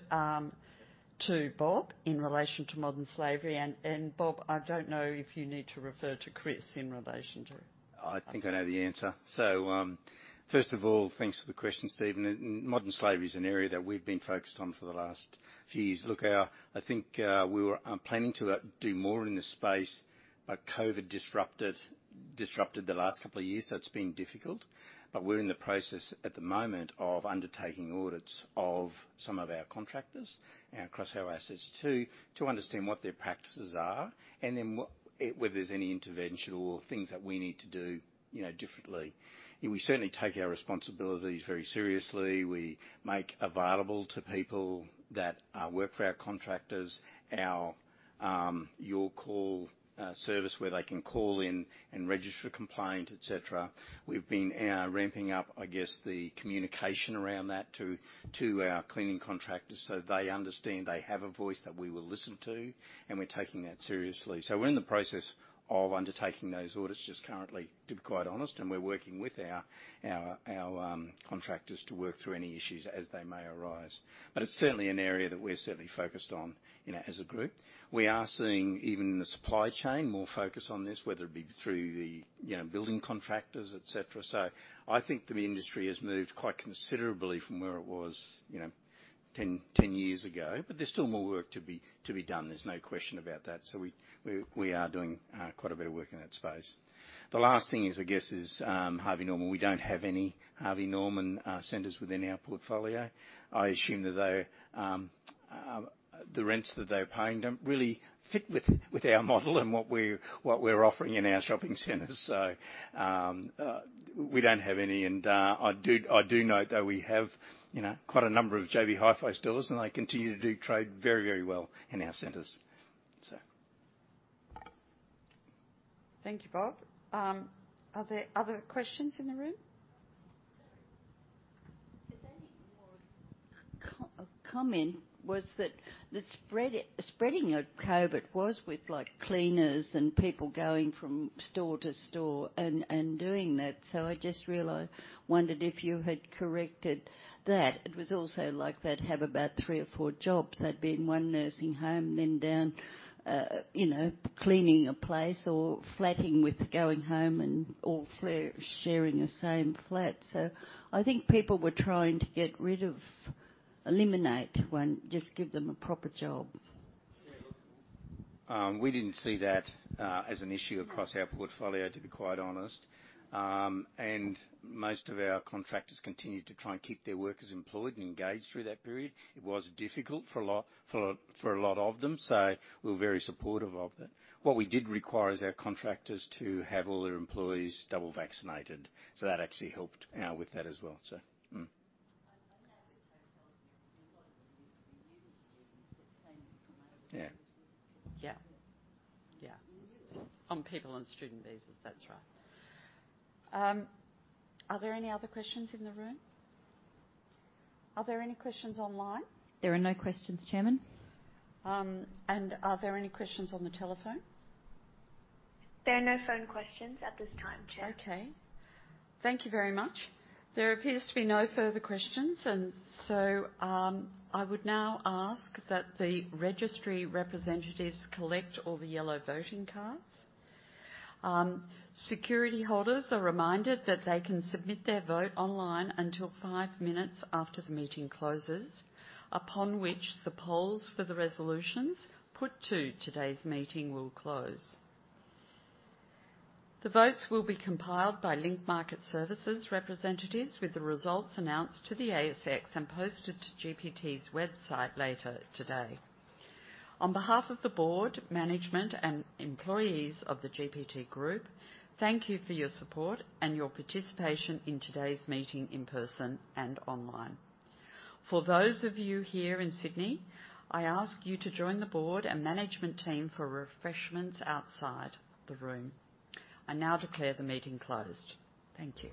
to Bob in relation to modern slavery. Bob, I don't know if you need to refer to Chris in relation to it. I think I know the answer. First of all, thanks for the question, Stephen. Modern slavery is an area that we've been focused on for the last few years. Look, I think we were planning to do more in this space, but COVID disrupted the last couple of years, so it's been difficult. We're in the process, at the moment, of undertaking audits of some of our contractors across our assets too, to understand what their practices are, and then whether there's any intervention or things that we need to do, you know, differently. We certainly take our responsibilities very seriously. We make available to people that work for our contractors our Your Call service, where they can call in and register a complaint, et cetera. We've been ramping up, I guess, the communication around that to our cleaning contractors, so they understand they have a voice that we will listen to, and we're taking that seriously. We're in the process of undertaking those audits just currently, to be quite honest, and we're working with our contractors to work through any issues as they may arise. It's certainly an area that we're certainly focused on, you know, as a group. We are seeing, even in the supply chain, more focus on this, whether it be through the, you know, building contractors, et cetera. I think the industry has moved quite considerably from where it was, you know, 10 years ago. There's still more work to be done. There's no question about that. We are doing quite a bit of work in that space. The last thing is, I guess, Harvey Norman. We don't have any Harvey Norman centers within our portfolio. I assume that the rents that they're paying don't really fit with our model and what we're offering in our shopping centers. We don't have any and I do know that we have, you know, quite a number of JB Hi-Fi stores, and they continue to trade very well in our centers. Thank you, Bob. Are there other questions in the room? A comment was that the spreading of COVID was with, like, cleaners and people going from store to store and doing that. I just wondered if you had corrected that. It was also like they'd have about three or four jobs. They'd be in one nursing home, then down, you know, cleaning a place or going home and sharing the same flat. I think people were trying to eliminate just give them a proper job. We didn't see that as an issue across our portfolio, to be quite honest. Most of our contractors continued to try and keep their workers employed and engaged through that period. It was difficult for a lot of them, so we were very supportive of that. What we did require is our contractors to have all their employees double vaccinated, so that actually helped out with that as well. I know that the hotels now, a lot of them used to be uni students that came from overseas. Yeah. Yeah. Yeah. Uni students. On people on student visas. That's right. Are there any other questions in the room? Are there any questions online? There are no questions, Chairman. Are there any questions on the telephone? There are no phone questions at this time, Chair. Okay. Thank you very much. There appears to be no further questions and so, I would now ask that the registry representatives collect all the yellow voting cards. Security holders are reminded that they can submit their vote online until five minutes after the meeting closes, upon which the polls for the resolutions put to today's meeting will close. The votes will be compiled by Link Market Services representatives, with the results announced to the ASX and posted to GPT's website later today. On behalf of the board, management, and employees of the GPT Group, thank you for your support and your participation in today's meeting in person and online. For those of you here in Sydney, I ask you to join the board and management team for refreshments outside the room. I now declare the meeting closed. Thank you.